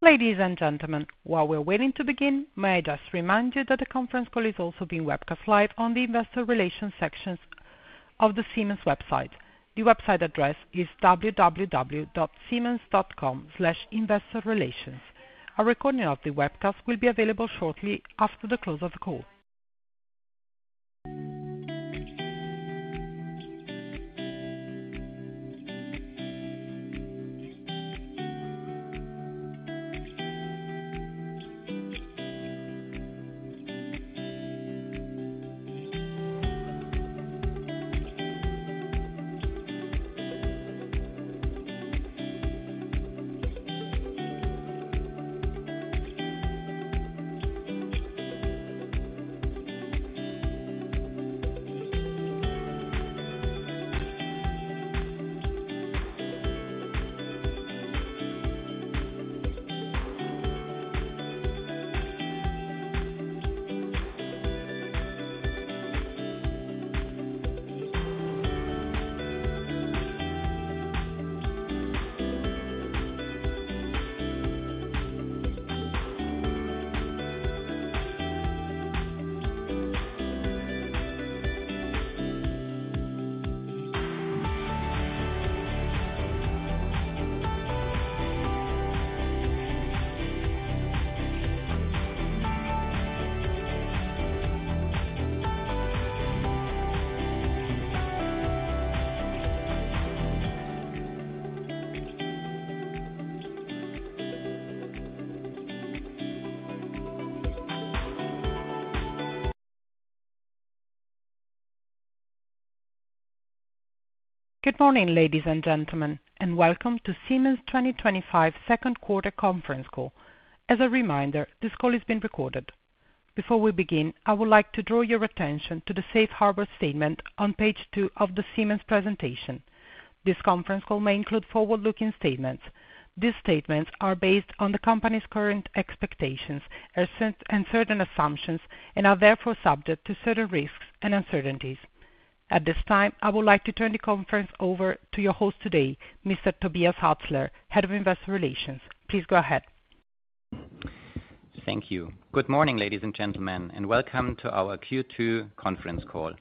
Ladies and gentlemen, while we're waiting to begin, may I just remind you that the conference call is also being webcast live on the Investor Relations sections of the Siemens website. The website address is www.siemens.com/investorrelations. A recording of the webcast will be available shortly after the close of the call. Good morning, ladies and gentlemen, and welcome to Siemens 2025 second quarter conference call. As a reminder, this call is being recorded. Before we begin, I would like to draw your attention to the Safe Harbor statement on page two of the Siemens presentation. This conference call may include forward-looking statements. These statements are based on the company's current expectations and certain assumptions and are therefore subject to certain risks and uncertainties. At this time, I would like to turn the conference over to your host today, Mr. Tobias Atzler, Head of Investor Relations. Please go ahead. Thank you. Good morning, ladies and gentlemen, and welcome to our Q2 conference call.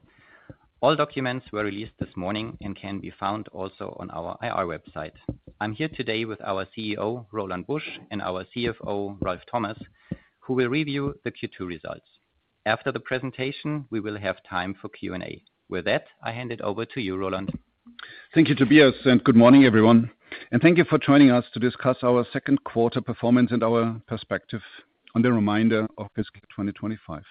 All documents were released this morning and can be found also on our IR website. I'm here today with our CEO, Roland Busch, and our CFO, Ralf Thomas, who will review the Q2 results. After the presentation, we will have time for Q&A. With that, I hand it over to you, Roland. Thank you, Tobias, and good morning, everyone. Thank you for joining us to discuss our second quarter performance and our perspective on the remainder of fiscal 2025.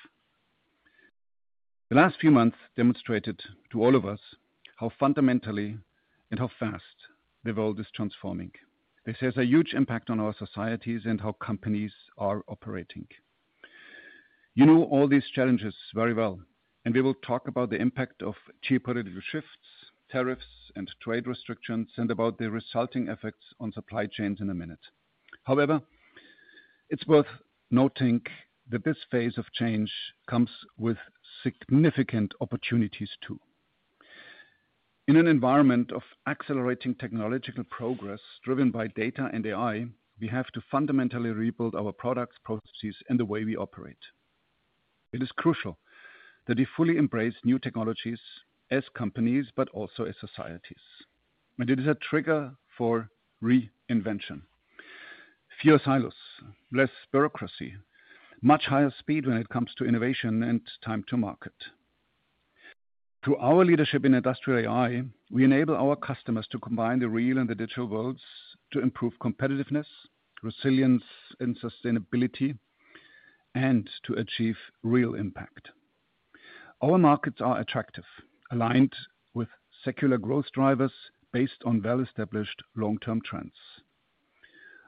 The last few months demonstrated to all of us how fundamentally and how fast the world is transforming. This has a huge impact on our societies and how companies are operating. You know all these challenges very well, and we will talk about the impact of geopolitical shifts, tariffs, and trade restrictions, and about the resulting effects on supply chains in a minute. However, it is worth noting that this phase of change comes with significant opportunities too. In an environment of accelerating technological progress driven by data and AI, we have to fundamentally rebuild our products, processes, and the way we operate. It is crucial that we fully embrace new technologies as companies, but also as societies. It is a trigger for reinvention. Fewer silos, less bureaucracy, much higher speed when it comes to innovation and time to market. Through our leadership in industrial AI, we enable our customers to combine the real and the digital worlds to improve competitiveness, resilience, and sustainability, and to achieve real impact. Our markets are attractive, aligned with secular growth drivers based on well-established long-term trends.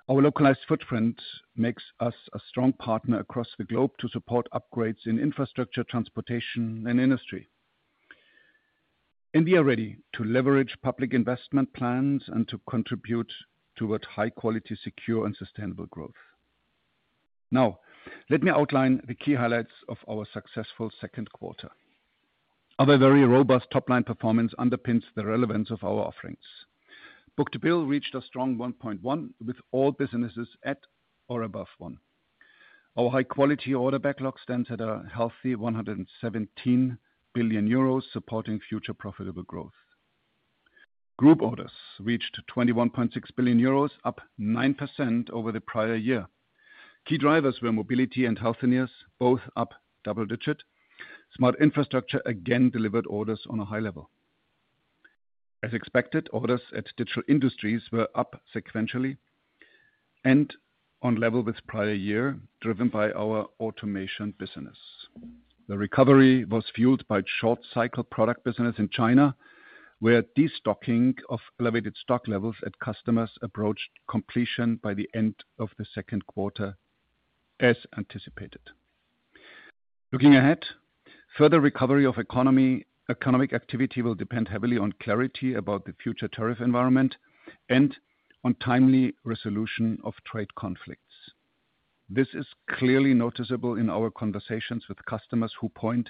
Our localized footprint makes us a strong partner across the globe to support upgrades in infrastructure, transportation, and industry. We are ready to leverage public investment plans and to contribute toward high-quality, secure, and sustainable growth. Now, let me outline the key highlights of our successful second quarter. Our very robust top-line performance underpins the relevance of our offerings. Book to bill reached a strong 1.1 with all businesses at or above one. Our high-quality order backlog stands at a healthy 117 billion euros, supporting future profitable growth. Group orders reached 21.6 billion euros, up 9% over the prior year. Key drivers were Mobility and Healthineers, both up double-digit. Smart Infrastructure again delivered orders on a high level. As expected, orders at Digital Industries were up sequentially and on level with prior year, driven by our automation business. The recovery was fueled by short-cycle product business in China, where destocking of elevated stock levels at customers approached completion by the end of the second quarter, as anticipated. Looking ahead, further recovery of economic activity will depend heavily on clarity about the future tariff environment and on timely resolution of trade conflicts. This is clearly noticeable in our conversations with customers who point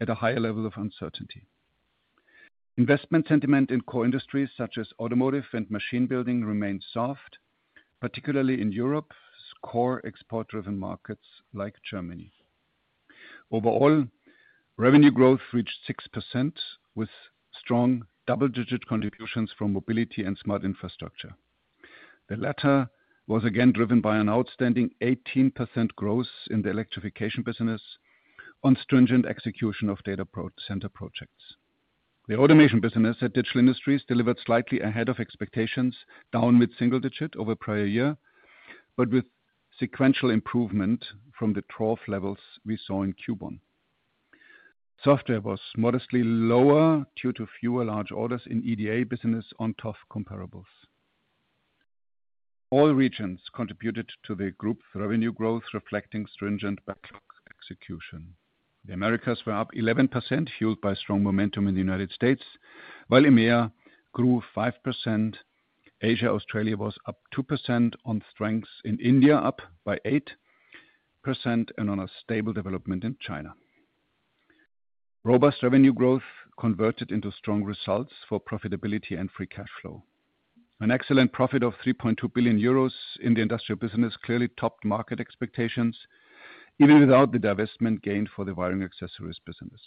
at a higher level of uncertainty. Investment sentiment in core industries such as automotive and machine building remains soft, particularly in Europe, core export-driven markets like Germany. Overall, revenue growth reached 6% with strong double-digit contributions from mobility and Smart Infrastructure. The latter was again driven by an outstanding 18% growth in the Electrification business on stringent execution of Data Center projects. The automation business at Digital Industries delivered slightly ahead of expectations, down with single-digit over prior year, but with sequential improvement from the trough levels we saw in Q1. Software was modestly lower due to fewer large orders in EDA business on tough comparables. All regions contributed to the group's revenue growth, reflecting stringent backlog execution. The Americas were up 11%, fueled by strong momentum in the United States, while EMEA grew 5%. Asia-Australia was up 2% on strengths, and India up by 8% and on a stable development in China. Robust revenue growth converted into strong results for profitability and free cash flow. An excellent profit of 3.2 billion euros in the industrial business clearly topped market expectations, even without the divestment gain for the wiring accessories business.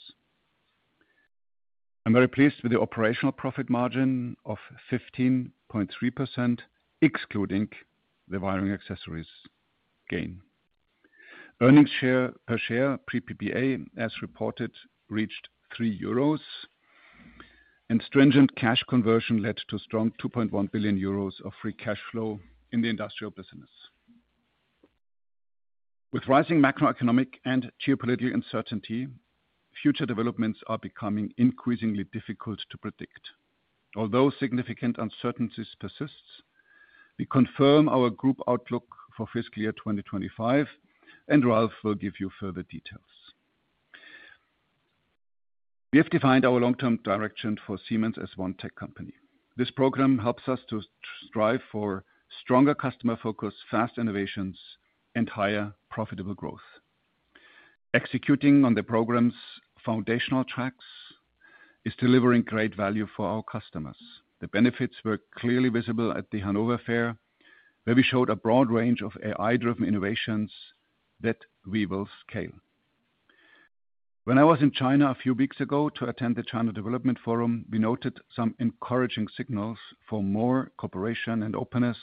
I'm very pleased with the operational profit margin of 15.3%, excluding the wiring accessories gain. Earnings per share, pre-PPA, as reported, reached 3 euros, and stringent cash conversion led to strong 2.1 billion euros of free cash flow in the industrial business. With rising macroeconomic and geopolitical uncertainty, future developments are becoming increasingly difficult to predict. Although significant uncertainties persist, we confirm our group outlook for fiscal year 2025, and Ralf will give you further details. We have defined our long-term direction for Siemens as one tech company. This program helps us to strive for stronger customer focus, fast innovations, and higher profitable growth. Executing on the program's foundational tracks is delivering great value for our customers. The benefits were clearly visible at the Hanover Fair, where we showed a broad range of AI-driven innovations that we will scale. When I was in China a few weeks ago to attend the China Development Forum, we noted some encouraging signals for more cooperation and openness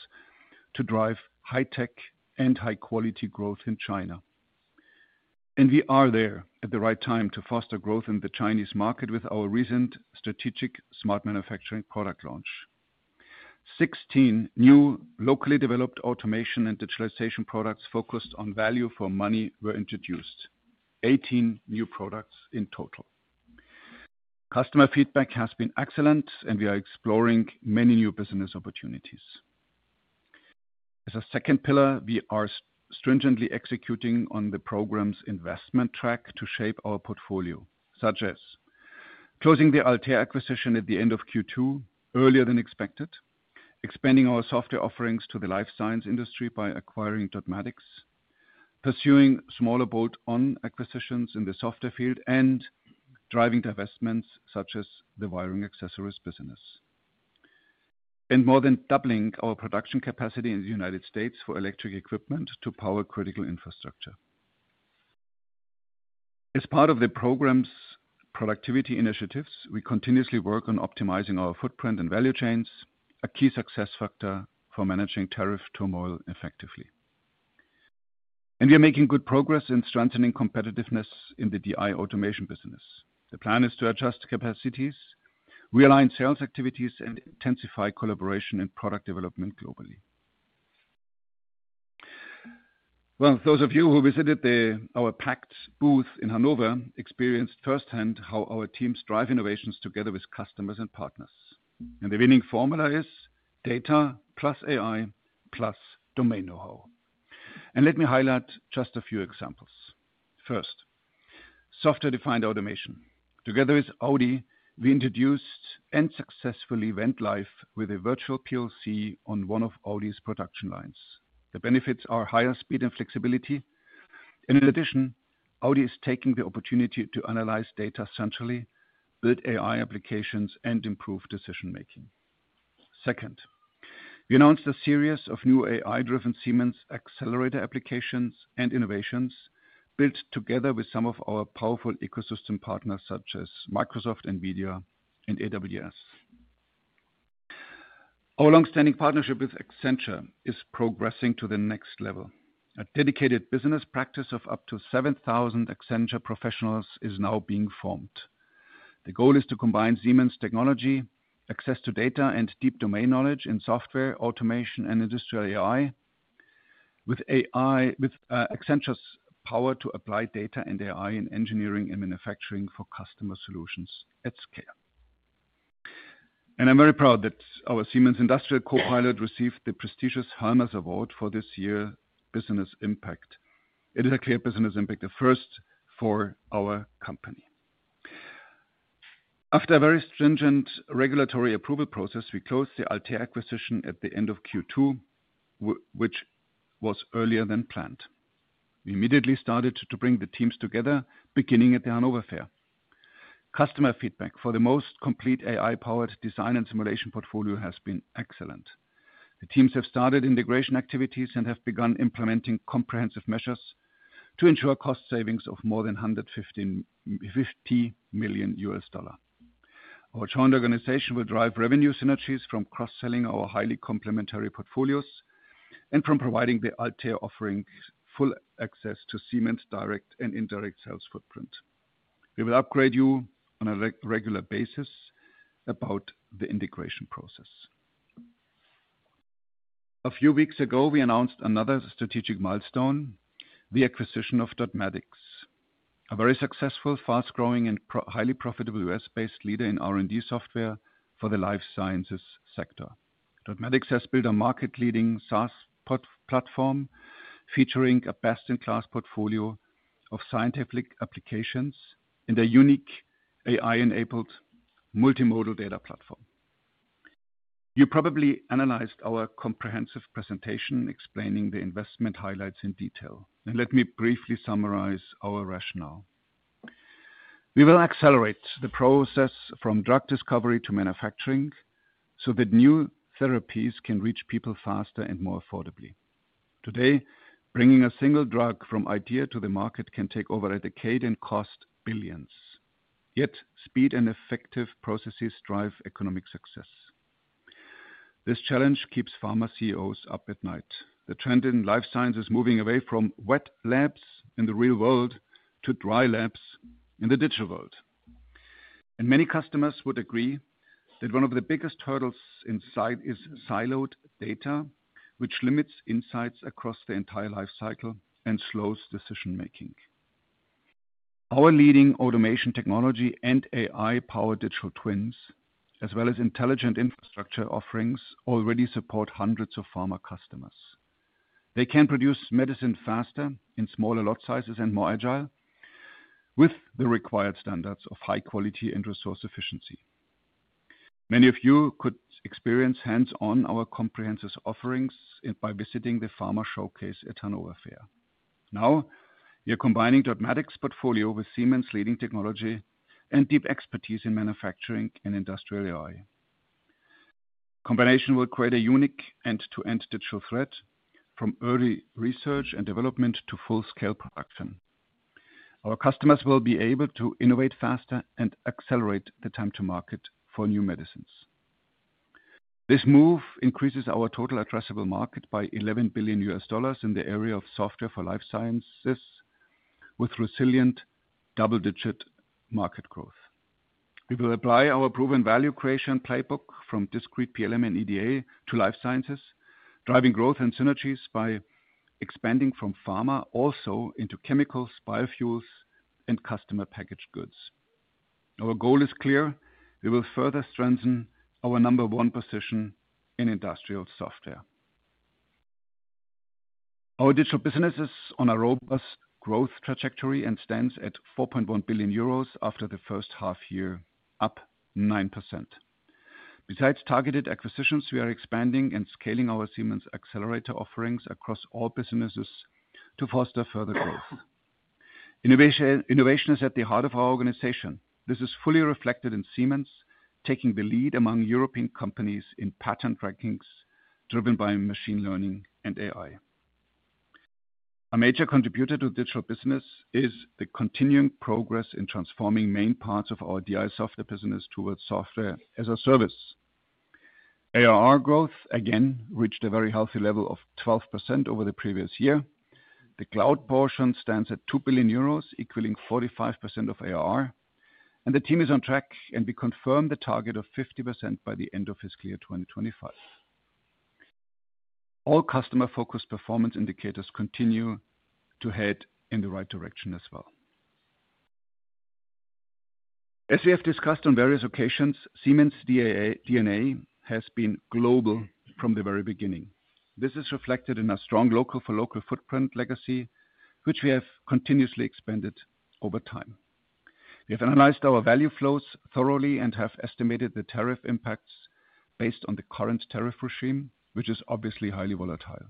to drive high-tech and high-quality growth in China. We are there at the right time to foster growth in the Chinese market with our recent strategic smart manufacturing product launch. Sixteen new locally developed automation and digitalization products focused on value for money were introduced, eighteen new products in total. Customer feedback has been excellent, and we are exploring many new business opportunities. As a second pillar, we are stringently executing on the program's investment track to shape our portfolio, such as closing the Altair acquisition at the end of Q2 earlier than expected, expanding our software offerings to the life science industry by acquiring Dotmatics, pursuing smaller bolt-on acquisitions in the software field, driving divestments such as the wiring accessories business, and more than doubling our production capacity in the United States for electric equipment to power critical infrastructure. As part of the program's productivity initiatives, we continuously work on optimizing our footprint and value chains, a key success factor for managing tariff turmoil effectively. We are making good progress in strengthening competitiveness in the DI automation business. The plan is to adjust capacities, realign sales activities, and intensify collaboration in product development globally. Those of you who visited our PACT booth in Hanover experienced firsthand how our teams drive innovations together with customers and partners. The winning formula is data plus AI plus domain know-how. Let me highlight just a few examples. First, software-defined automation. Together with Audi, we introduced and successfully went live with a virtual PLC on one of Audi's production lines. The benefits are higher speed and flexibility. In addition, Audi is taking the opportunity to analyze data centrally, build AI applications, and improve decision-making. Second, we announced a series of new AI-driven Siemens accelerator applications and innovations built together with some of our powerful ecosystem partners such as Microsoft, NVIDIA, and AWS. Our long-standing partnership with Accenture is progressing to the next level. A dedicated business practice of up to 7,000 Accenture professionals is now being formed. The goal is to combine Siemens technology, access to data, and deep domain knowledge in software automation and industrial AI with Accenture's power to apply data and AI in engineering and manufacturing for customer solutions at scale. I am very proud that our Siemens Industrial Copilot received the prestigious Hermes Award for this year's business impact. It is a clear business impact, the first for our company. After a very stringent regulatory approval process, we closed the Altair acquisition at the end of Q2, which was earlier than planned. We immediately started to bring the teams together, beginning at the Hanover Fair. Customer feedback for the most complete AI-powered design and simulation portfolio has been excellent. The teams have started integration activities and have begun implementing comprehensive measures to ensure cost savings of more than $150 million. Our joint organization will drive revenue synergies from cross-selling our highly complementary portfolios and from providing the Altair offering full access to Siemens' direct and indirect sales footprint. We will upgrade you on a regular basis about the integration process. A few weeks ago, we announced another strategic milestone, the acquisition of Dotmatics, a very successful, fast-growing, and highly profitable US-based leader in R&D software for the life sciences sector. Dotmatics has built a market-leading SaaS platform featuring a best-in-class portfolio of scientific applications and a unique AI-enabled multimodal data platform. You probably analyzed our comprehensive presentation explaining the investment highlights in detail. Let me briefly summarize our rationale. We will accelerate the process from drug discovery to manufacturing so that new therapies can reach people faster and more affordably. Today, bringing a single drug from idea to the market can take over a decade and cost billions. Yet speed and effective processes drive economic success. This challenge keeps pharma CEOs up at night. The trend in life sciences is moving away from wet labs in the real world to dry labs in the digital world. Many customers would agree that one of the biggest hurdles in sight is siloed data, which limits insights across the entire life cycle and slows decision-making. Our leading automation technology and AI-powered digital twins, as well as intelligent infrastructure offerings, already support hundreds of pharma customers. They can produce medicine faster in smaller lot sizes and more agile with the required standards of high quality and resource efficiency. Many of you could experience hands-on our comprehensive offerings by visiting the Pharma Showcase at Hanover Fair. Now, we are combining Dotmatics' portfolio with Siemens' leading technology and deep expertise in manufacturing and industrial AI. The combination will create a unique end-to-end digital thread from early research and development to full-scale production. Our customers will be able to innovate faster and accelerate the time to market for new medicines. This move increases our total addressable market by $11 billion in the area of software for life sciences with resilient double-digit market growth. We will apply our proven value creation playbook from discrete PLM and EDA to life sciences, driving growth and synergies by expanding from pharma also into chemicals, biofuels, and customer packaged goods. Our goal is clear. We will further strengthen our number one position in industrial software. Our digital business is on a robust growth trajectory and stands at 4.1 billion euros after the first half year, up 9%. Besides targeted acquisitions, we are expanding and scaling our Siemens accelerator offerings across all businesses to foster further growth. Innovation is at the heart of our organization. This is fully reflected in Siemens taking the lead among European companies in patent rankings driven by machine learning and AI. A major contributor to digital business is the continuing progress in transforming main parts of our DI software business towards software as a service. ARR growth again reached a very healthy level of 12% over the previous year. The cloud portion stands at 2 billion euros, equaling 45% of ARR. The team is on track, and we confirm the target of 50% by the end of fiscal year 2025. All customer-focused performance indicators continue to head in the right direction as well. As we have discussed on various occasions, Siemens' DNA has been global from the very beginning. This is reflected in our strong local-for-local footprint legacy, which we have continuously expanded over time. We have analyzed our value flows thoroughly and have estimated the tariff impacts based on the current tariff regime, which is obviously highly volatile.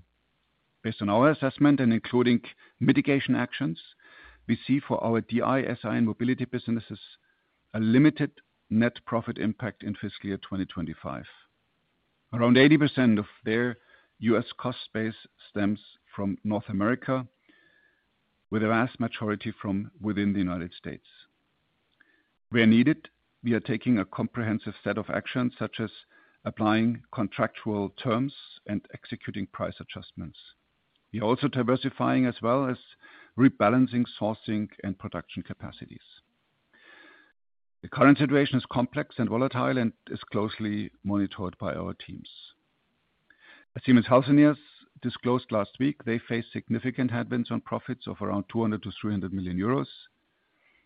Based on our assessment and including mitigation actions, we see for our DI, SI, and Mobility businesses a limited net profit impact in fiscal year 2025. Around 80% of their US cost base stems from North America, with a vast majority from within the United States. Where needed, we are taking a comprehensive set of actions, such as applying contractual terms and executing price adjustments. We are also diversifying as well as rebalancing sourcing and production capacities. The current situation is complex and volatile and is closely monitored by our teams. As Siemens Healthineers disclosed last week, they face significant headwinds on profits of around 200 million-300 million euros.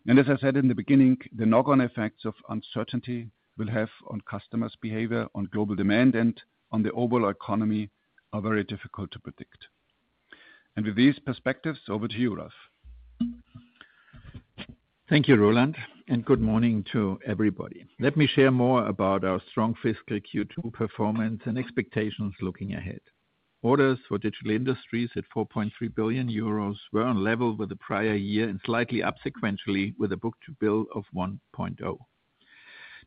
As I said in the beginning, the knock-on effects of uncertainty we'll have on customers' behavior, on global demand, and on the overall economy are very difficult to predict. With these perspectives, over to you, Ralf. Thank you, Roland, and good morning to everybody. Let me share more about our strong fiscal Q2 performance and expectations looking ahead. Orders for Digital Industries at 4.3 billion euros were on level with the prior year and slightly up sequentially with a book-to-bill of 1.0. It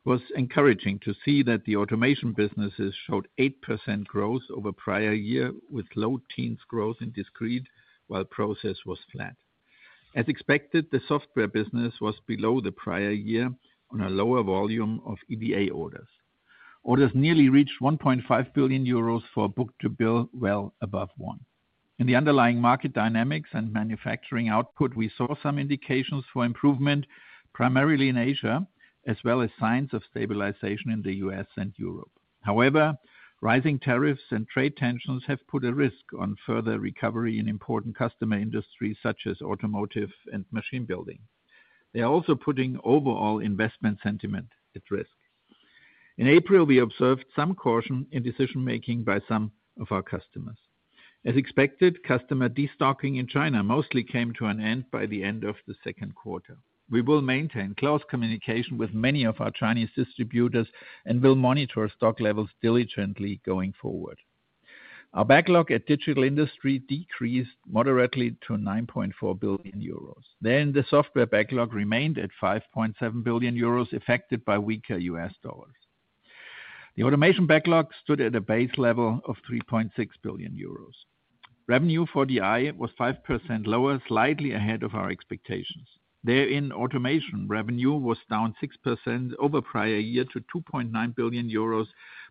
was encouraging to see that the automation businesses showed 8% growth over prior year, with low teens growth in discrete while process was flat. As expected, the software business was below the prior year on a lower volume of EDA orders. Orders nearly reached 1.5 billion euros for book-to-bill, well above one. In the underlying market dynamics and manufacturing output, we saw some indications for improvement, primarily in Asia, as well as signs of stabilization in the U.S. and Europe. However, rising tariffs and trade tensions have put a risk on further recovery in important customer industries such as automotive and machine building. They are also putting overall investment sentiment at risk. In April, we observed some caution in decision-making by some of our customers. As expected, customer destocking in China mostly came to an end by the end of the second quarter. We will maintain close communication with many of our Chinese distributors and will monitor stock levels diligently going forward. Our backlog at Digital Industries decreased moderately to 9.4 billion euros. The software backlog remained at 5.7 billion euros, affected by weaker U.S. dollars. The automation backlog stood at a base level of 3.6 billion euros. Revenue for DI was 5% lower, slightly ahead of our expectations. There, in automation, revenue was down 6% over prior year to 2.9 billion euros,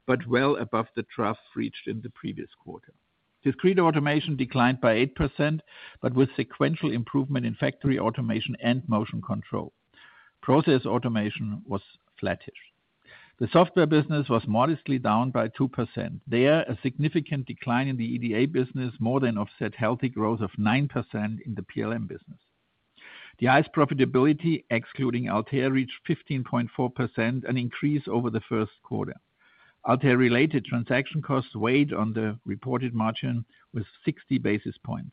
but well above the trough reached in the previous quarter. Discrete automation declined by 8%, but with sequential improvement in factory automation and motion control. Process automation was flattish. The software business was modestly down by 2%. There, a significant decline in the EDA business more than offset healthy growth of 9% in the PLM business. DI's profitability, excluding Altair, reached 15.4%, an increase over the first quarter. Altair-related transaction costs weighed on the reported margin with 60 basis points.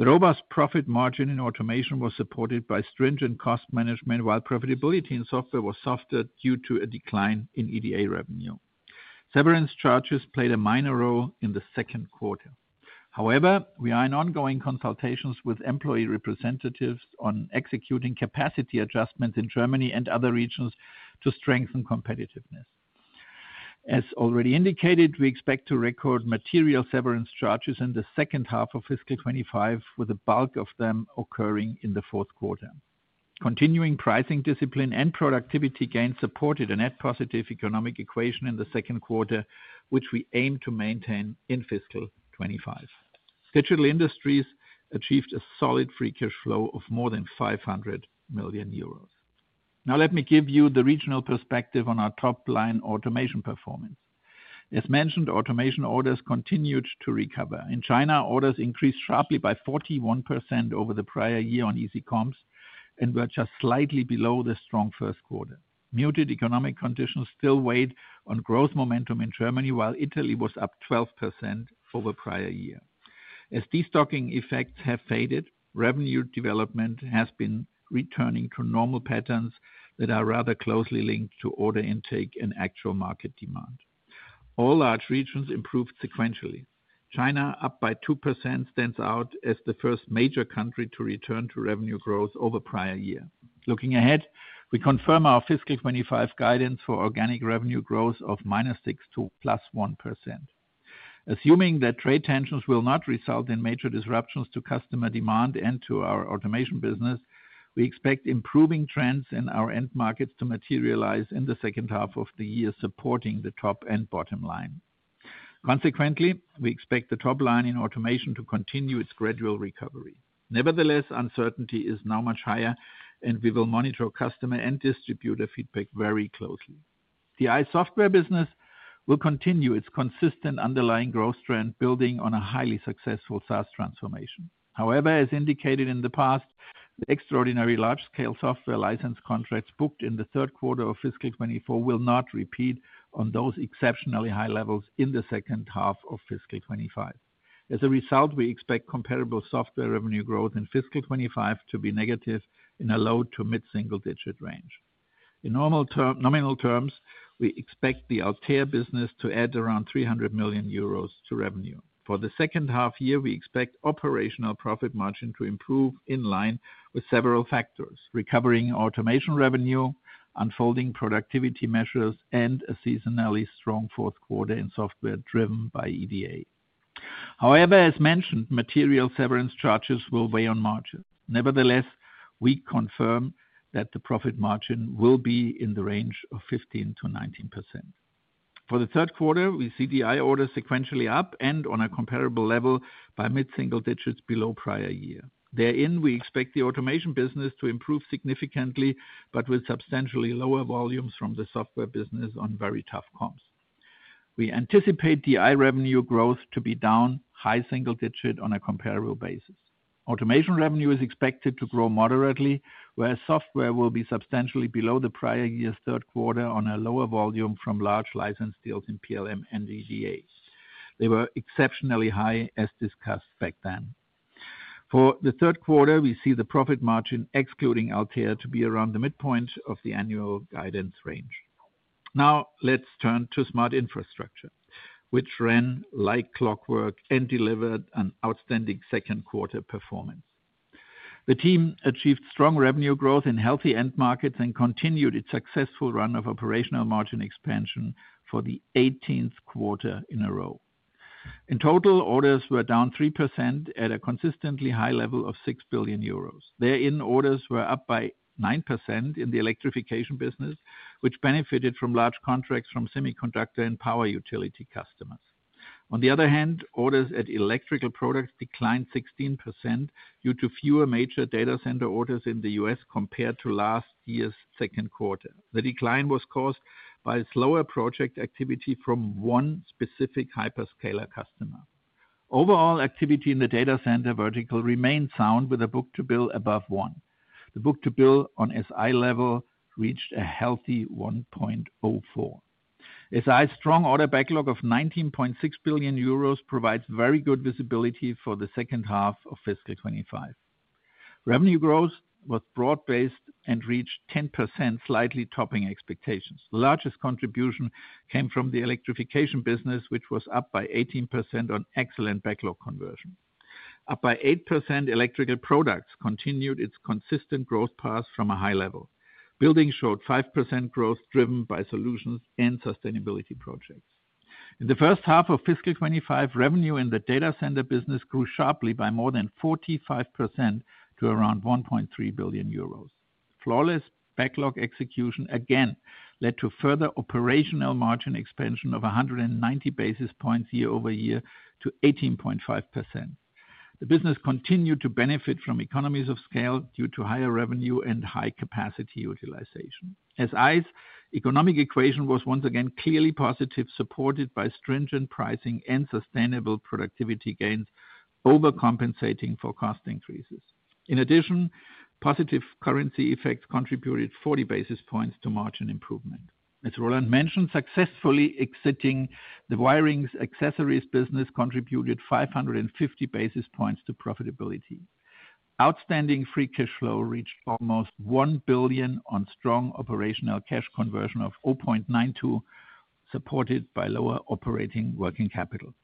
The robust profit margin in automation was supported by stringent cost management, while profitability in software was softer due to a decline in EDA revenue. Severance charges played a minor role in the second quarter. However, we are in ongoing consultations with employee representatives on executing capacity adjustments in Germany and other regions to strengthen competitiveness. As already indicated, we expect to record material severance charges in the second half of fiscal 2025, with a bulk of them occurring in the fourth quarter. Continuing pricing discipline and productivity gains supported a net positive economic equation in the second quarter, which we aim to maintain in fiscal 2025. Digital Industries achieved a solid free cash flow of more than 500 million euros. Now, let me give you the regional perspective on our top-line automation performance. As mentioned, automation orders continued to recover. In China, orders increased sharply by 41% over the prior year on easy comps and were just slightly below the strong first quarter. Muted economic conditions still weighed on growth momentum in Germany, while Italy was up 12% over prior year. As destocking effects have faded, revenue development has been returning to normal patterns that are rather closely linked to order intake and actual market demand. All large regions improved sequentially. China, up by 2%, stands out as the first major country to return to revenue growth over prior year. Looking ahead, we confirm our fiscal 2025 guidance for organic revenue growth of -6% to +1%. Assuming that trade tensions will not result in major disruptions to customer demand and to our automation business, we expect improving trends in our end markets to materialize in the second half of the year, supporting the top and bottom line. Consequently, we expect the top line in automation to continue its gradual recovery. Nevertheless, uncertainty is now much higher, and we will monitor customer and distributor feedback very closely. DI software business will continue its consistent underlying growth trend, building on a highly successful SaaS transformation. However, as indicated in the past, the extraordinary large-scale software license contracts booked in the third quarter of fiscal 2024 will not repeat on those exceptionally high levels in the second half of fiscal 2025. As a result, we expect comparable software revenue growth in fiscal 2025 to be negative in a low- to mid-single-digit range. In nominal terms, we expect the Altair business to add around 300 million euros to revenue. For the second half year, we expect operational profit margin to improve in line with several factors: recovering automation revenue, unfolding productivity measures, and a seasonally strong fourth quarter in software driven by EDA. However, as mentioned, material severance charges will weigh on margins. Nevertheless, we confirm that the profit margin will be in the range of 15%-19%. For the third quarter, we see DI orders sequentially up and on a comparable level by mid-single digits below prior year. Therein, we expect the automation business to improve significantly, but with substantially lower volumes from the software business on very tough comps. We anticipate DI revenue growth to be down high single digit on a comparable basis. Automation revenue is expected to grow moderately, whereas software will be substantially below the prior year's third quarter on a lower volume from large license deals in PLM and EDA. They were exceptionally high, as discussed back then. For the third quarter, we see the profit margin, excluding Altair, to be around the midpoint of the annual guidance range. Now, let's turn to Smart Infrastructure, which ran like clockwork and delivered an outstanding second quarter performance. The team achieved strong revenue growth in healthy end markets and continued its successful run of operational margin expansion for the 18th quarter in a row. In total, orders were down 3% at a consistently high level of 6 billion euros. Therein, orders were up by 9% in the Electrification business, which benefited from large contracts from semiconductor and power utility customers. On the other hand, orders at Electrical Products declined 16% due to fewer major data center orders in the US compared to last year's second quarter. The decline was caused by slower project activity from one specific hyperscaler customer. Overall, activity in the data center vertical remained sound, with a book-to-bill above one. The book-to-bill on SI level reached a healthy 1.04. SI's strong order backlog of 19.6 billion euros provides very good visibility for the second half of fiscal 2025. Revenue growth was broad-based and reached 10%, slightly topping expectations. The largest contribution came from the Electrification business, which was up by 18% on excellent backlog conversion. Up by 8%, Electrical Products continued its consistent growth path from a high level. Buildings showed 5% growth driven by solutions and sustainability projects. In the first half of fiscal 2025, revenue in the Data Centers business grew sharply by more than 45% to around 1.3 billion euros. Flawless backlog execution again led to further operational margin expansion of 190 basis points year over year to 18.5%. The business continued to benefit from economies of scale due to higher revenue and high capacity utilization. SI's economic equation was once again clearly positive, supported by stringent pricing and sustainable productivity gains, overcompensating for cost increases. In addition, positive currency effects contributed 40 basis points to margin improvement. As Roland mentioned, successfully exiting the wiring accessories business contributed 550 basis points to profitability. Outstanding free cash flow reached almost 1 billion on strong operational cash conversion of 0.92, supported by lower operating working capital.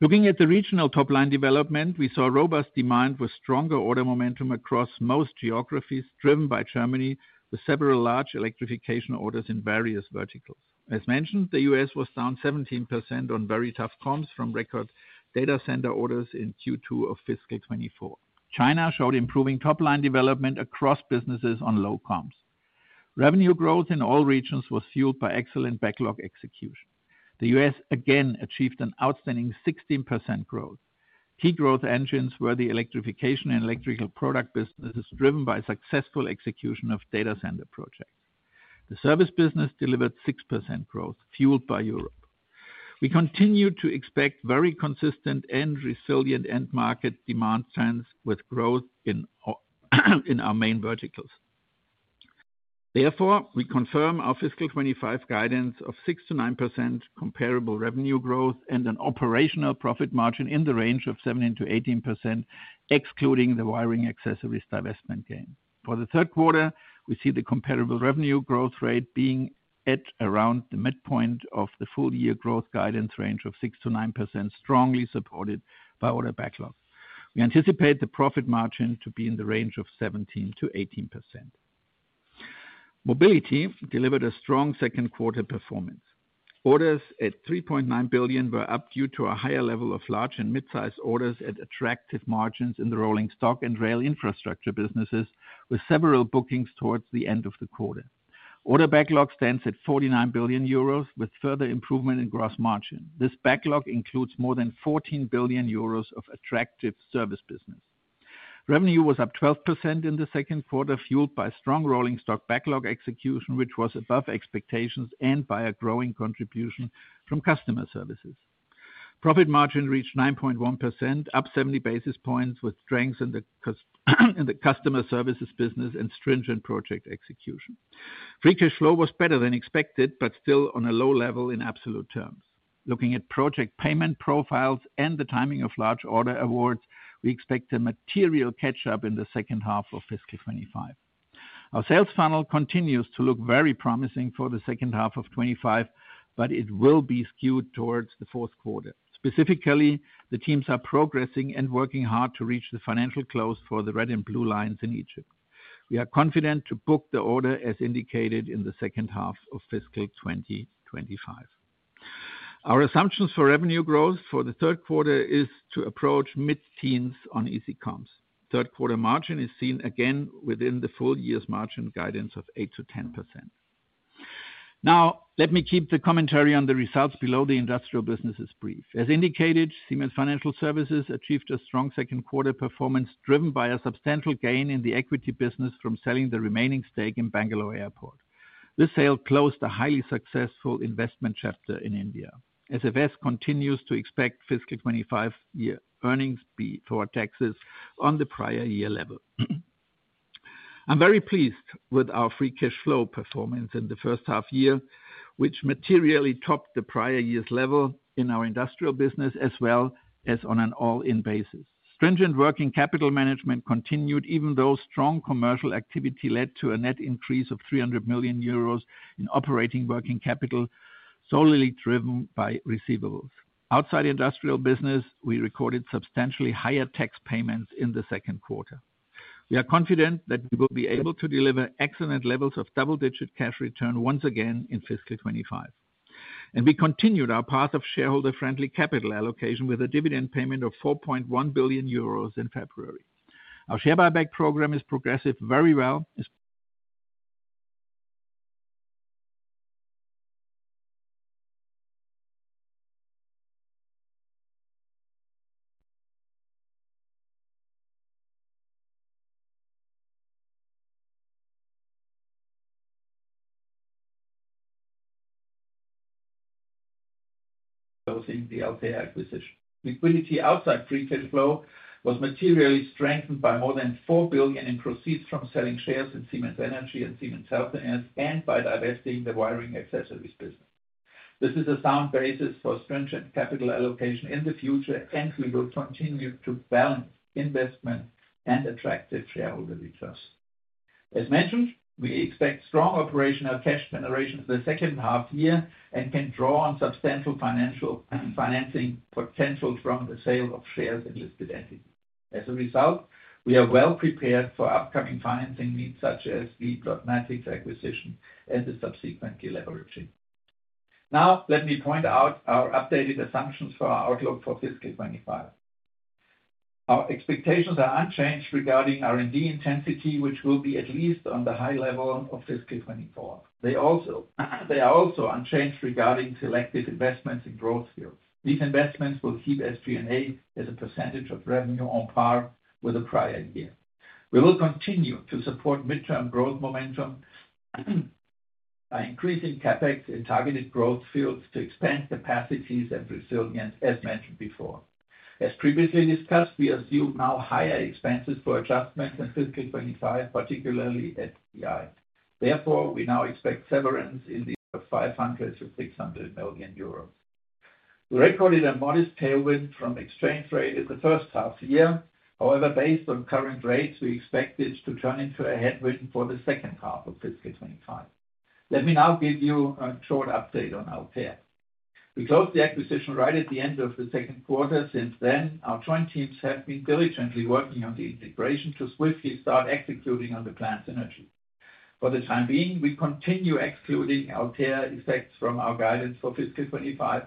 Looking at the regional top-line development, we saw robust demand with stronger order momentum across most geographies, driven by Germany with several large electrification orders in various verticals. As mentioned, the U.S. was down 17% on very tough comms from record data center orders in Q2 of fiscal 2024. China showed improving top-line development across businesses on low comms. Revenue growth in all regions was fueled by excellent backlog execution. The U.S. again achieved an outstanding 16% growth. Key growth engines were the electrification and electrical product businesses, driven by successful execution of data center projects. The service business delivered 6% growth, fueled by Europe. We continue to expect very consistent and resilient end market demand trends with growth in our main verticals. Therefore, we confirm our fiscal 2025 guidance of 6-9% comparable revenue growth and an operational profit margin in the range of 17-18%, excluding the wiring accessories divestment gain. For the third quarter, we see the comparable revenue growth rate being at around the midpoint of the full-year growth guidance range of 6-9%, strongly supported by order backlog. We anticipate the profit margin to be in the range of 17%-18%. Mobility delivered a strong second quarter performance. Orders at 3.9 billion were up due to a higher level of large and mid-sized orders at attractive margins in the rolling stock and rail infrastructure businesses, with several bookings towards the end of the quarter. Order backlog stands at 49 billion euros, with further improvement in gross margin. This backlog includes more than 14 billion euros of attractive service business. Revenue was up 12% in the second quarter, fueled by strong rolling stock backlog execution, which was above expectations and by a growing contribution from customer services. Profit margin reached 9.1%, up 70 basis points with strength in the customer services business and stringent project execution. Free cash flow was better than expected, but still on a low level in absolute terms. Looking at project payment profiles and the timing of large order awards, we expect a material catch-up in the second half of fiscal 2025. Our sales funnel continues to look very promising for the second half of 2025, but it will be skewed towards the fourth quarter. Specifically, the teams are progressing and working hard to reach the financial close for the red and blue lines in Egypt. We are confident to book the order as indicated in the second half of fiscal 2025. Our assumptions for revenue growth for the third quarter is to approach mid-teens on easy comms. Third quarter margin is seen again within the full-year's margin guidance of 8%-10%. Now, let me keep the commentary on the results below the industrial businesses brief. As indicated, Siemens Financial Services achieved a strong second quarter performance, driven by a substantial gain in the equity business from selling the remaining stake in Bangalore Airport. This sale closed a highly successful investment chapter in India. SFS continues to expect fiscal 2025 earnings before taxes on the prior year level. I'm very pleased with our free cash flow performance in the first half year, which materially topped the prior year's level in our industrial business, as well as on an all-in basis. Stringent working capital management continued, even though strong commercial activity led to a net increase of 300 million euros in operating working capital, solely driven by receivables. Outside industrial business, we recorded substantially higher tax payments in the second quarter. We are confident that we will be able to deliver excellent levels of double-digit cash return once again in fiscal 2025. We continued our path of shareholder-friendly capital allocation with a dividend payment of 4.1 billion euros in February. Our share buyback program is progressing very well. Closing the Altair acquisition. Liquidity outside free cash flow was materially strengthened by more than 4 billion in proceeds from selling shares in Siemens Energy and Siemens Healthineers and by divesting the wiring accessories business. This is a sound basis for stringent capital allocation in the future, and we will continue to balance investment and attractive shareholder returns. As mentioned, we expect strong operational cash generation in the second half year and can draw on substantial financial financing potential from the sale of shares in listed entities. As a result, we are well prepared for upcoming financing needs, such as Deepak Nitrite's acquisition and the subsequent deliberation. Now, let me point out our updated assumptions for our outlook for fiscal 2025. Our expectations are unchanged regarding R&D intensity, which will be at least on the high level of fiscal 2024. They are also unchanged regarding selective investments in growth fields. These investments will keep SG&A as a percentage of revenue on par with the prior year. We will continue to support midterm growth momentum by increasing CapEx in targeted growth fields to expand capacities and resilience, as mentioned before. As previously discussed, we assume now higher expenses for adjustments in fiscal 2025, particularly at EI. Therefore, we now expect severance in the order of 500 million-600 million euros. We recorded a modest tailwind from exchange rate in the first half year. However, based on current rates, we expect this to turn into a headwind for the second half of fiscal 2025. Let me now give you a short update on Altair. We closed the acquisition right at the end of the second quarter. Since then, our joint teams have been diligently working on the integration to swiftly start executing on the planned synergy. For the time being, we continue excluding Altair effects from our guidance for fiscal 2025,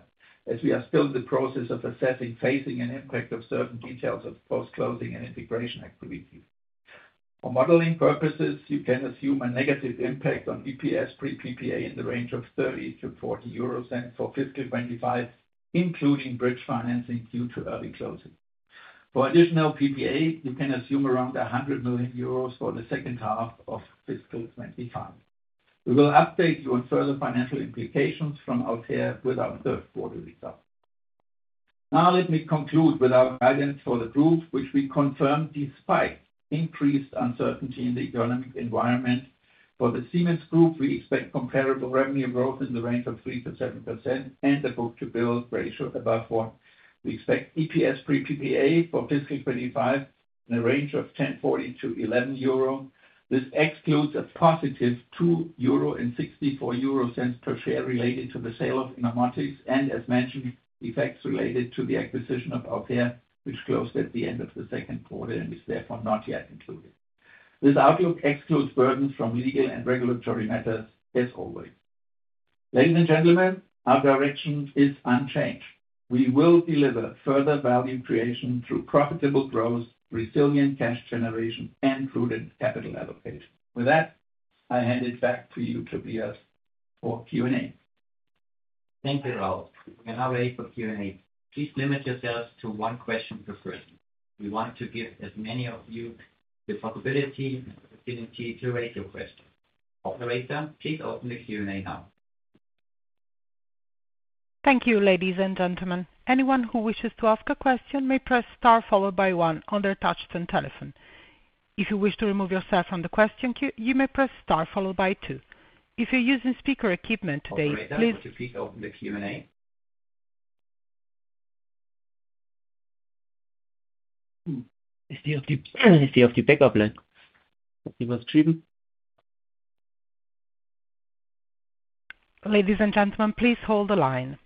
as we are still in the process of assessing phasing and impact of certain details of post-closing and integration activity. For modeling purposes, you can assume a negative impact on EPS pre-PPA in the range of 30 million-40 million euros for fiscal 2025, including bridge financing due to early closing. For additional PPA, you can assume around 100 million euros for the second half of fiscal 2025. We will update you on further financial implications from Altair with our third quarter results. Now, let me conclude with our guidance for the group, which we confirm despite increased uncertainty in the economic environment. For the Siemens Group, we expect comparable revenue growth in the range of 3%-7% and a book-to-bill ratio above one. We expect EPS pre-PPA for fiscal 2025 in the range of 10.40-11 euro. This excludes a positive 2.64 euro per share related to the sale of Inomatics and, as mentioned, effects related to the acquisition of Altair, which closed at the end of the second quarter and is therefore not yet included. This outlook excludes burdens from legal and regulatory matters, as always. Ladies and gentlemen, our direction is unchanged. We will deliver further value creation through profitable growth, resilient cash generation, and prudent capital allocation. With that, I hand it back to you to be asked for Q&A. Thank you, Ralf. We are now ready for Q&A. Please limit yourselves to one question per person. We want to give as many of you the possibility and opportunity to raise your question. Operator, please open the Q&A now. Thank you, ladies and gentlemen. Anyone who wishes to ask a question may press star followed by one on their touched-in telephone. If you wish to remove yourself from the question queue, you may press star followed by two. If you're using speaker equipment today, please, if you have to, pick up the line. Ladies and gentlemen, please hold the line.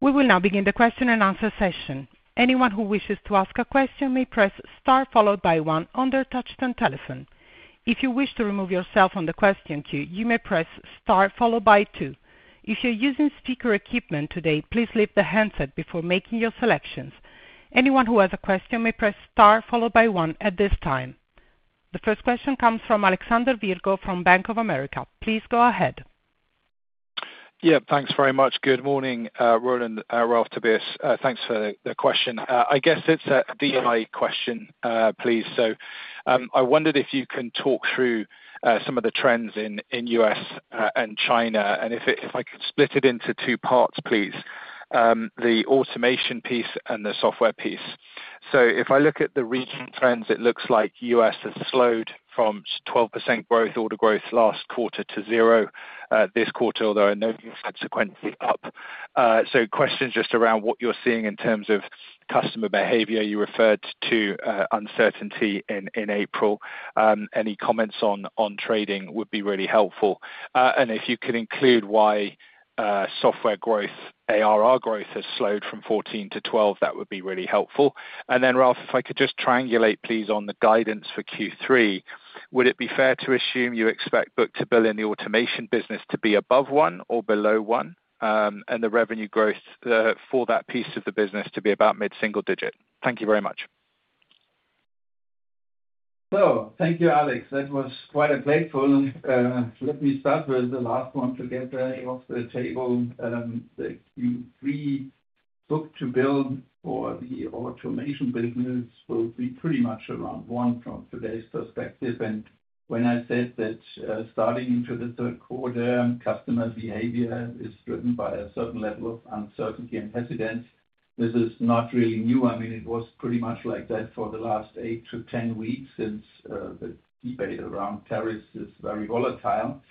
We will now begin the question and answer session. Anyone who wishes to ask a question may press star followed by one on their touched-in telephone. If you wish to remove yourself from the question queue, you may press star followed by two. If you're using speaker equipment today, please lift the handset before making your selections. Anyone who has a question may press star followed by one at this time. The first question comes from Alexander Virgo from Bank of America. Please go ahead. Yeah, thanks very much. Good morning, Roland, Ralf, Tobias. Thanks for the question. I guess it's a DI question, please. I wondered if you can talk through some of the trends in the U.S. and China, and if I could split it into two parts, please, the automation piece and the software piece. If I look at the regional trends, it looks like the U.S. has slowed from 12% growth, all the growth last quarter to zero this quarter, although I know you've had sequentially up. Questions just around what you're seeing in terms of customer behavior. You referred to uncertainty in April. Any comments on trading would be really helpful. If you could include why software growth, ARR growth has slowed from 14%-12%, that would be really helpful. Ralf, if I could just triangulate, please, on the guidance for Q3, would it be fair to assume you expect book-to-bill in the automation business to be above one or below one? The revenue growth for that piece of the business to be about mid-single digit? Thank you very much. Thank you, Alex. That was quite a playful. Let me start with the last one together off the table. The Q3 book-to-bill for the automation business will be pretty much around one from today's perspective. When I said that starting into the third quarter, customer behavior is driven by a certain level of uncertainty and hesitance, this is not really new. I mean, it was pretty much like that for the last 8-10 weeks since the debate around tariffs is very volatile.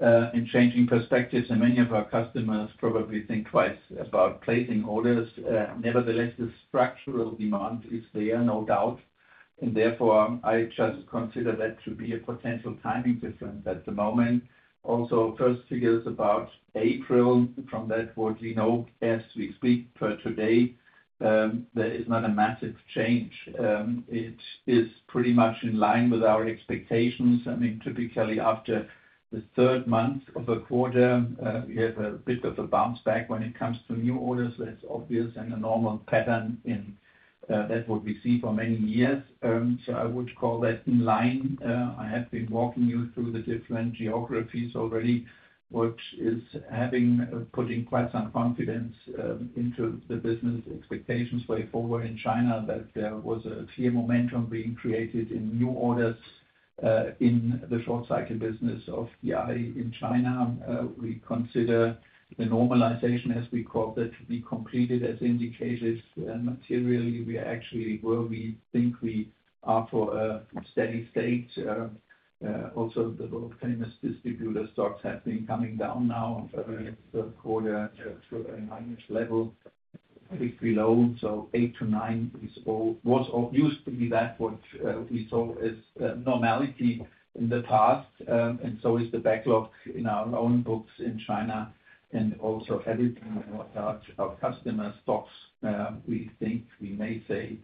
In changing perspectives, many of our customers probably think twice about placing orders. Nevertheless, the structural demand is there, no doubt. Therefore, I just consider that to be a potential timing difference at the moment. Also, first figures about April, from that, what we know as we speak per today, there is not a massive change. It is pretty much in line with our expectations. I mean, typically, after the third month of a quarter, we have a bit of a bounce back when it comes to new orders. That's obvious and a normal pattern that we see for many years. I would call that in line. I have been walking you through the different geographies already, which is putting quite some confidence into the business expectations way forward in China, that there was a clear momentum being created in new orders in the short cycle business of AI in China. We consider the normalization, as we called it, to be completed as indicated. Materially, we actually think we are for a steady state. Also, the world-famous distributor stocks have been coming down now from the third quarter to a minus level, a bit below. Eight to nine was used to be that what we saw as normality in the past. And so is the backlog in our own books in China. Also, everything in regards to our customer stocks, we think we may say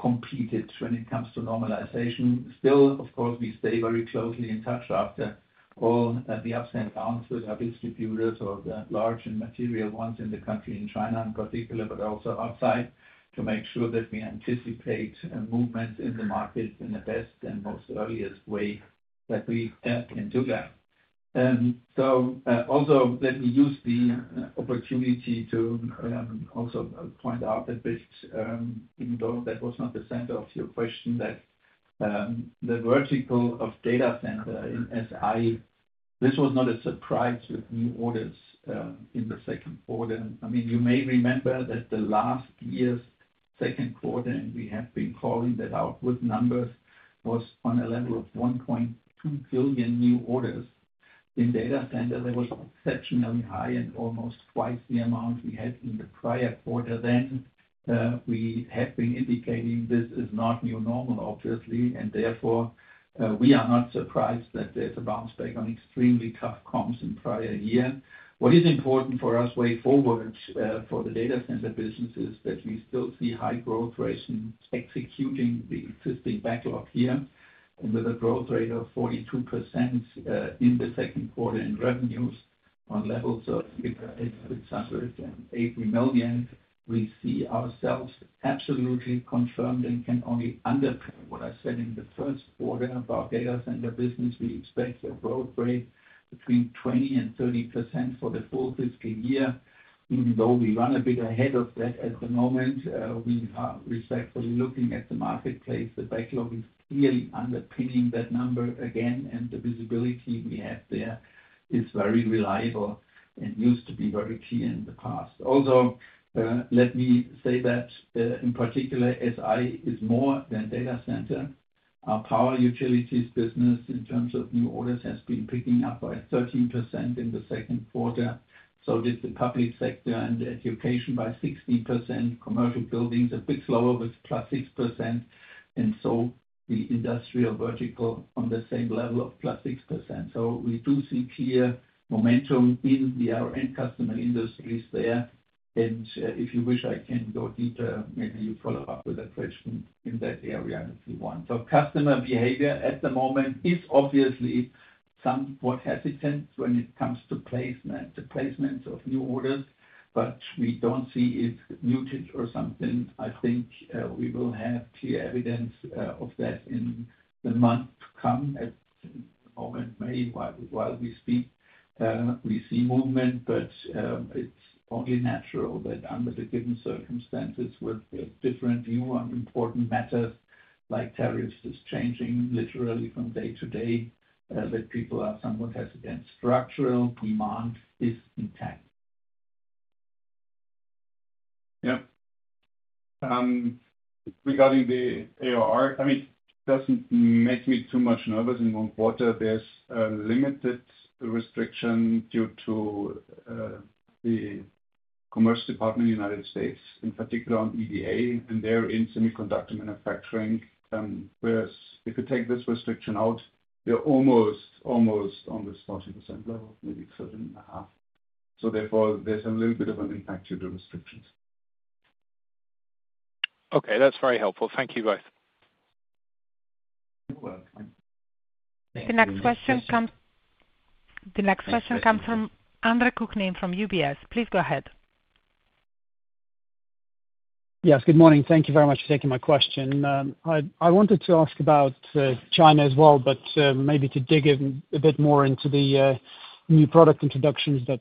competed when it comes to normalization. Still, of course, we stay very closely in touch after all the ups and downs with our distributors, both the large and material ones in the country in China in particular, but also outside, to make sure that we anticipate movements in the market in the best and most earliest way that we can do that. Let me use the opportunity to also point out a bit, even though that was not the center of your question, that the vertical of data center in SI, this was not a surprise with new orders in the second quarter. I mean, you may remember that last year's second quarter, and we have been calling that out with numbers, was on a level of 1.2 billion new orders in data center. That was exceptionally high and almost twice the amount we had in the prior quarter. We have been indicating this is not new normal, obviously. Therefore, we are not surprised that there is a bounce back on extremely tough comms in prior years. What is important for us way forward for the data center business is that we still see high growth rates in executing the existing backlog here, with a growth rate of 42% in the second quarter in revenues on levels of 80 million. We see ourselves absolutely confirmed and can only underpin what I said in the first quarter about data center business. We expect a growth rate between 20% and 30% for the full fiscal year, even though we run a bit ahead of that at the moment. We are respectfully looking at the marketplace. The backlog is clearly underpinning that number again, and the visibility we have there is very reliable and used to be very clear in the past. Also, let me say that in particular, SI is more than data center. Our power utilities business, in terms of new orders, has been picking up by 13% in the second quarter. The public sector and education increased by 16%. Commercial buildings are a bit slower with plus 6%. The industrial vertical is on the same level of plus 6%. We do see clear momentum in the R&D customer industries there. If you wish, I can go deeper. Maybe you follow up with a question in that area if you want. Customer behavior at the moment is obviously somewhat hesitant when it comes to the placement of new orders, but we do not see it muted or something. I think we will have clear evidence of that in the months to come or in May while we speak. We see movement, but it's only natural that under the given circumstances with a different view on important matters like tariffs is changing literally from day to day, that people are somewhat hesitant. Structural demand is intact. Yeah. Regarding the ARR, I mean, it doesn't make me too much nervous in one quarter. There's a limited restriction due to the Commerce Department in the United States, in particular on EDA and there in semiconductor manufacturing. Whereas if you take this restriction out, they're almost, almost on the 40% level, maybe 7.5. Therefore, there's a little bit of an impact due to restrictions. Okay, that's very helpful. Thank you both. The next question comes from Andrei Kukhnin from UBS. Please go ahead. Yes, good morning. Thank you very much for taking my question. I wanted to ask about China as well, but maybe to dig in a bit more into the new product introductions that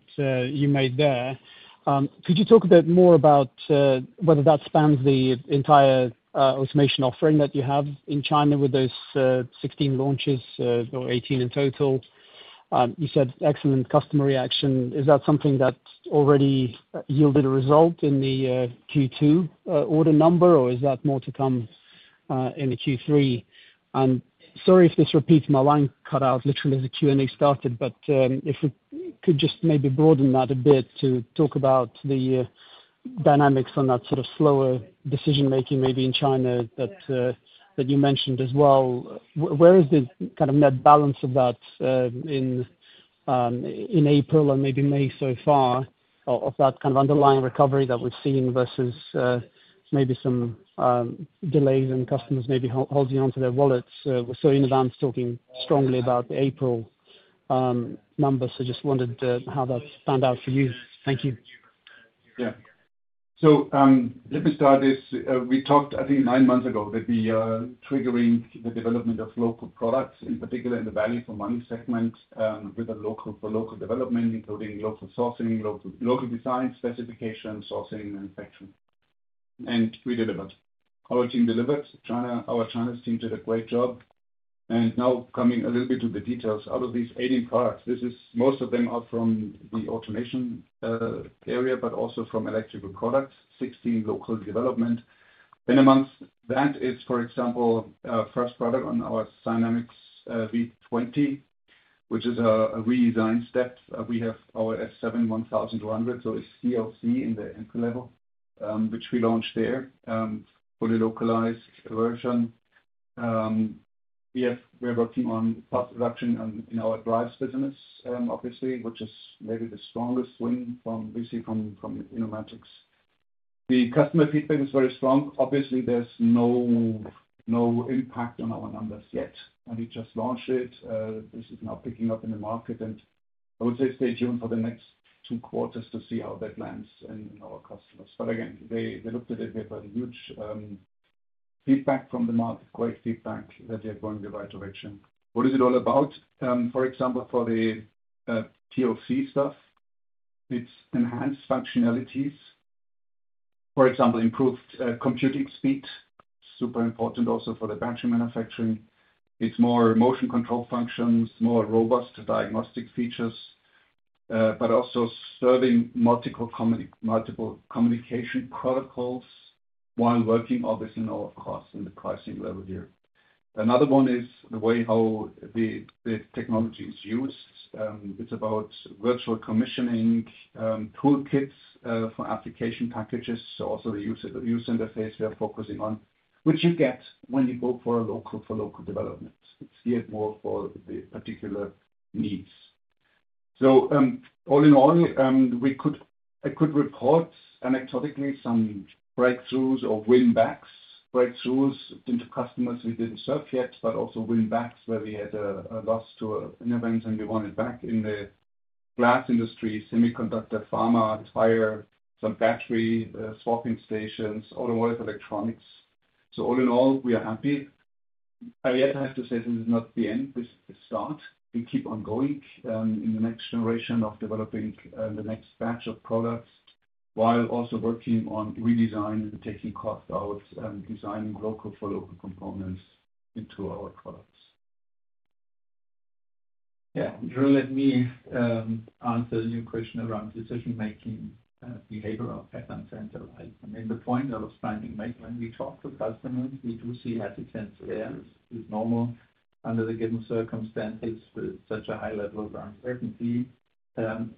you made there. Could you talk a bit more about whether that spans the entire automation offering that you have in China with those 16 launches, or 18 in total? You said excellent customer reaction. Is that something that already yielded a result in the Q2 order number, or is that more to come in the Q3? Sorry if this repeats, my line cut out literally as the Q&A started, but if we could just maybe broaden that a bit to talk about the dynamics on that sort of slower decision-making maybe in China that you mentioned as well. Where is the kind of net balance of that in April and maybe May so far of that kind of underlying recovery that we've seen versus maybe some delays and customers maybe holding onto their wallets? In advance, talking strongly about the April numbers, I just wondered how that found out for you. Thank you. Yeah. Let me start this. We talked, I think, nine months ago that we are triggering the development of local products, in particular in the value for money segment with a local for local development, including local sourcing, local design specification, sourcing, manufacturing. We delivered. Our team delivered. Our Chinese team did a great job. Now coming a little bit to the details out of these 18 products, most of them are from the automation area, but also from electrical products, 16 local development. Amongst that is, for example, our first product on our Sinamics V20, which is a redesign step. We have our S7-1200, so it's CLC in the entry level, which we launched there, fully localized version. We are working on cost reduction in our drives business, obviously, which is maybe the strongest wing from VC from Innomatrix. The customer feedback is very strong. Obviously, there's no impact on our numbers yet. We just launched it. This is now picking up in the market. I would say stay tuned for the next two quarters to see how that lands in our customers. Again, they looked at it with a huge feedback from the market, great feedback that they're going the right direction. What is it all about? For example, for the TOC stuff, it's enhanced functionalities. For example, improved computing speed, super important also for the battery manufacturing. It's more motion control functions, more robust diagnostic features, but also serving multiple communication protocols while working, obviously, of course, in the pricing level here. Another one is the way how the technology is used. It's about virtual commissioning toolkits for application packages. Also, the user interface we are focusing on, which you get when you go for a local for local development. It's geared more for the particular needs. All in all, I could report anecdotally some breakthroughs or win-backs, breakthroughs into customers we didn't serve yet, but also win-backs where we had a loss to an event and we won it back in the glass industry, semiconductor, pharma, tire, some battery swapping stations, automotive electronics. All in all, we are happy. I yet have to say this is not the end. This is the start. We keep on going in the next generation of developing the next batch of products while also working on redesign and taking cost out and designing local for local components into our products. Yeah. Let me answer your question around decision-making behavioral patterns and the like. I mean, the point I was trying to make when we talk to customers, we do see hesitance there. It's normal under the given circumstances with such a high level of uncertainty.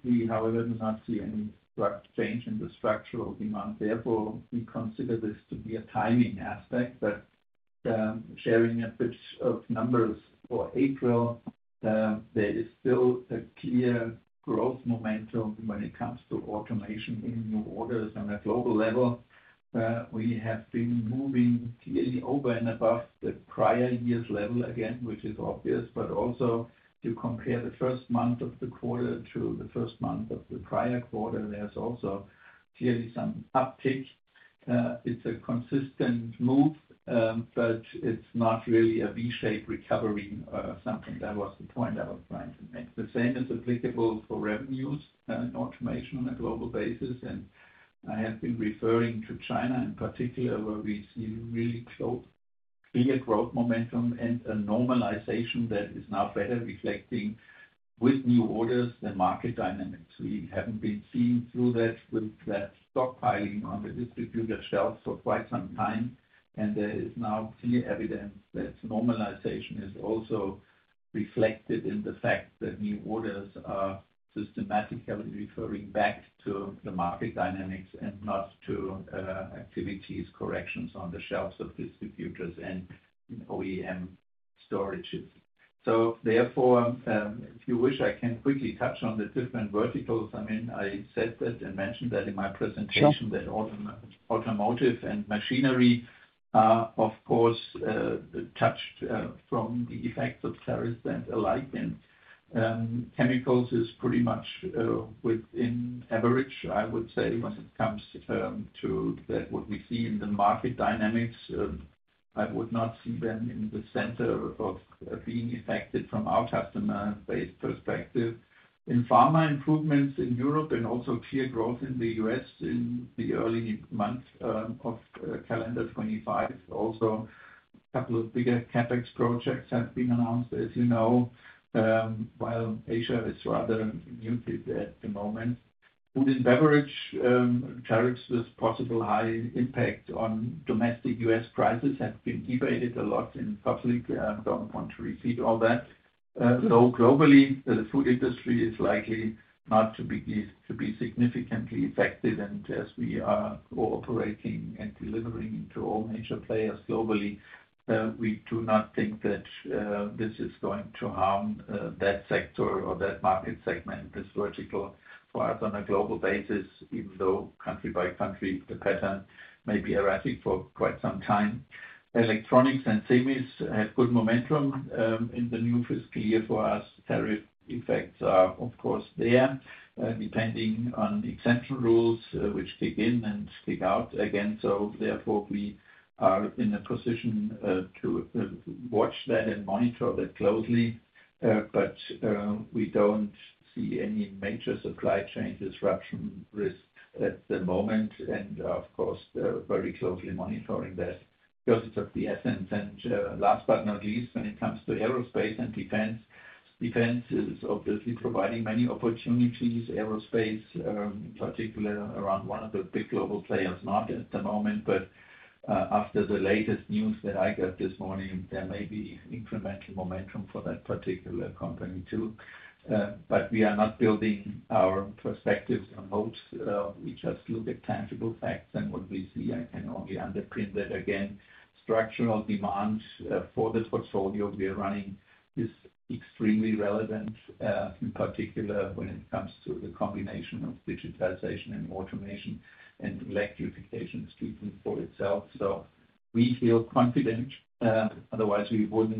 We, however, do not see any change in the structural demand. Therefore, we consider this to be a timing aspect. Sharing a bit of numbers for April, there is still a clear growth momentum when it comes to automation in new orders on a global level. We have been moving clearly over and above the prior year's level again, which is obvious. To compare the first month of the quarter to the first month of the prior quarter, there's also clearly some uptick. It's a consistent move, but it's not really a V-shaped recovery or something. That was the point I was trying to make. The same is applicable for revenues and automation on a global basis. I have been referring to China in particular, where we see really clear growth momentum and a normalization that is now better reflecting with new orders and market dynamics. We haven't been seeing through that with that stockpiling on the distributor shelves for quite some time. There is now clear evidence that normalization is also reflected in the fact that new orders are systematically referring back to the market dynamics and not to activities corrections on the shelves of distributors and OEM storages. Therefore, if you wish, I can quickly touch on the different verticals. I mean, I said that and mentioned that in my presentation that automotive and machinery, of course, touched from the effects of tariffs and the like. Chemicals is pretty much within average, I would say, when it comes to what we see in the market dynamics. I would not see them in the center of being affected from our customer-based perspective. In pharma, improvements in Europe and also clear growth in the US in the early month of calendar 2025. Also, a couple of bigger CapEx projects have been announced, as you know, while Asia is rather muted at the moment. Food and beverage tariffs with possible high impact on domestic US prices have been debated a lot in public. I do not want to repeat all that. Though globally, the food industry is likely not to be significantly affected. As we are cooperating and delivering to all major players globally, we do not think that this is going to harm that sector or that market segment, this vertical for us on a global basis, even though country by country, the pattern may be arriving for quite some time. Electronics and semis have good momentum in the new fiscal year for us. Tariff effects are, of course, there, depending on exemption rules, which kick in and kick out again. Therefore, we are in a position to watch that and monitor that closely. We do not see any major supply chain disruption risk at the moment. Of course, we are very closely monitoring that because it is of the essence. Last but not least, when it comes to aerospace and defense, defense is obviously providing many opportunities, aerospace, in particular around one of the big global players, not at the moment. After the latest news that I got this morning, there may be incremental momentum for that particular company too. We are not building our perspectives on hopes. We just look at tangible facts and what we see. I can only underpin that again. Structural demand for the portfolio we are running is extremely relevant, in particular when it comes to the combination of digitalization and automation and electrification speaking for itself. We feel confident. Otherwise, we would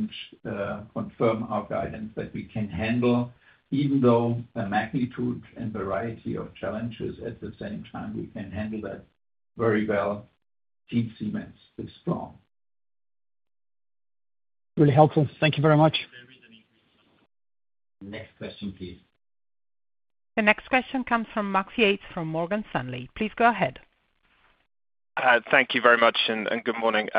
not confirm our guidance that we can handle, even though the magnitude and variety of challenges at the same time, we can handle that very well. Team Siemens is strong. Really helpful. Thank you very much. Next question, please. The next question comes from Max Yates from Morgan Stanley. Please go ahead. Thank you very much and good morning.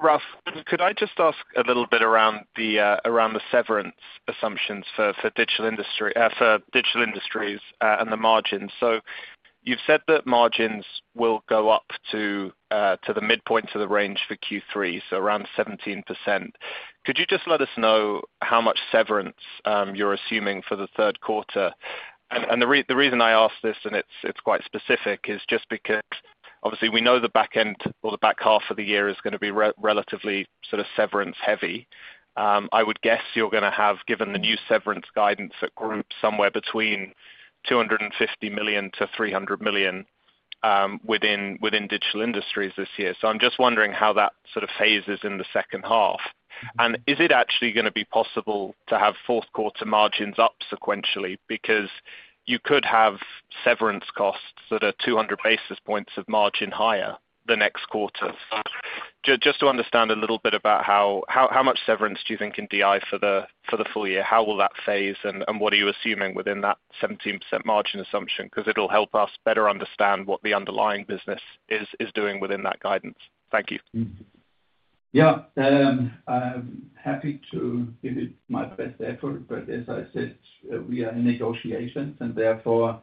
Ralf, could I just ask a little bit around the severance assumptions for Digital Industries and the margins? You have said that margins will go up to the midpoint of the range for Q3, so around 17%. Could you just let us know how much severance you are assuming for the third quarter? The reason I ask this, and it is quite specific, is just because obviously we know the back end or the back half of the year is going to be relatively sort of severance-heavy. I would guess you are going to have, given the new severance guidance at group, somewhere between 250 million-300 million within Digital Industries this year. I am just wondering how that sort of phases in the second half. Is it actually going to be possible to have fourth quarter margins up sequentially? You could have severance costs that are 200 basis points of margin higher the next quarter. Just to understand a little bit about how much severance do you think can be for the full year, how will that phase and what are you assuming within that 17% margin assumption? It will help us better understand what the underlying business is doing within that guidance. Thank you. Yeah. I'm happy to give it my best effort. As I said, we are in negotiations and therefore it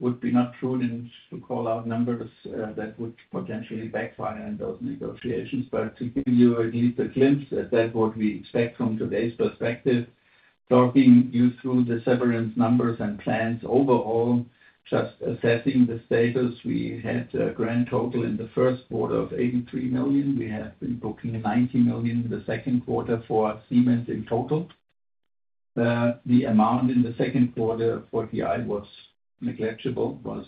would not be prudent to call out numbers that would potentially backfire in those negotiations. To give you at least a glimpse at that, what we expect from today's perspective, talking you through the severance numbers and plans overall, just assessing the status. We had a grand total in the first quarter of 83 million. We have been booking 90 million in the second quarter for Siemens in total. The amount in the second quarter for DI was negligible, was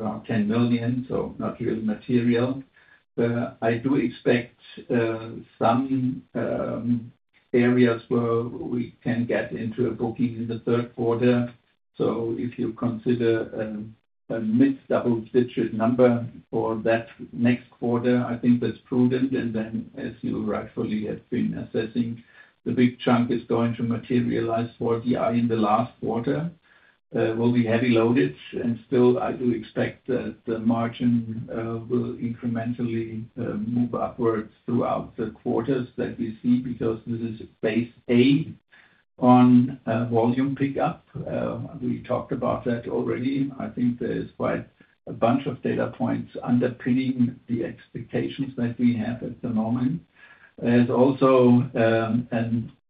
around 10 million, so not really material. I do expect some areas where we can get into a booking in the third quarter. If you consider a mid-double digit number for that next quarter, I think that's prudent. As you rightfully have been assessing, the big chunk is going to materialize for DI in the last quarter, will be heavy loaded. I do expect that the margin will incrementally move upwards throughout the quarters that we see because this is phase A on volume pickup. We talked about that already. I think there's quite a bunch of data points underpinning the expectations that we have at the moment. is also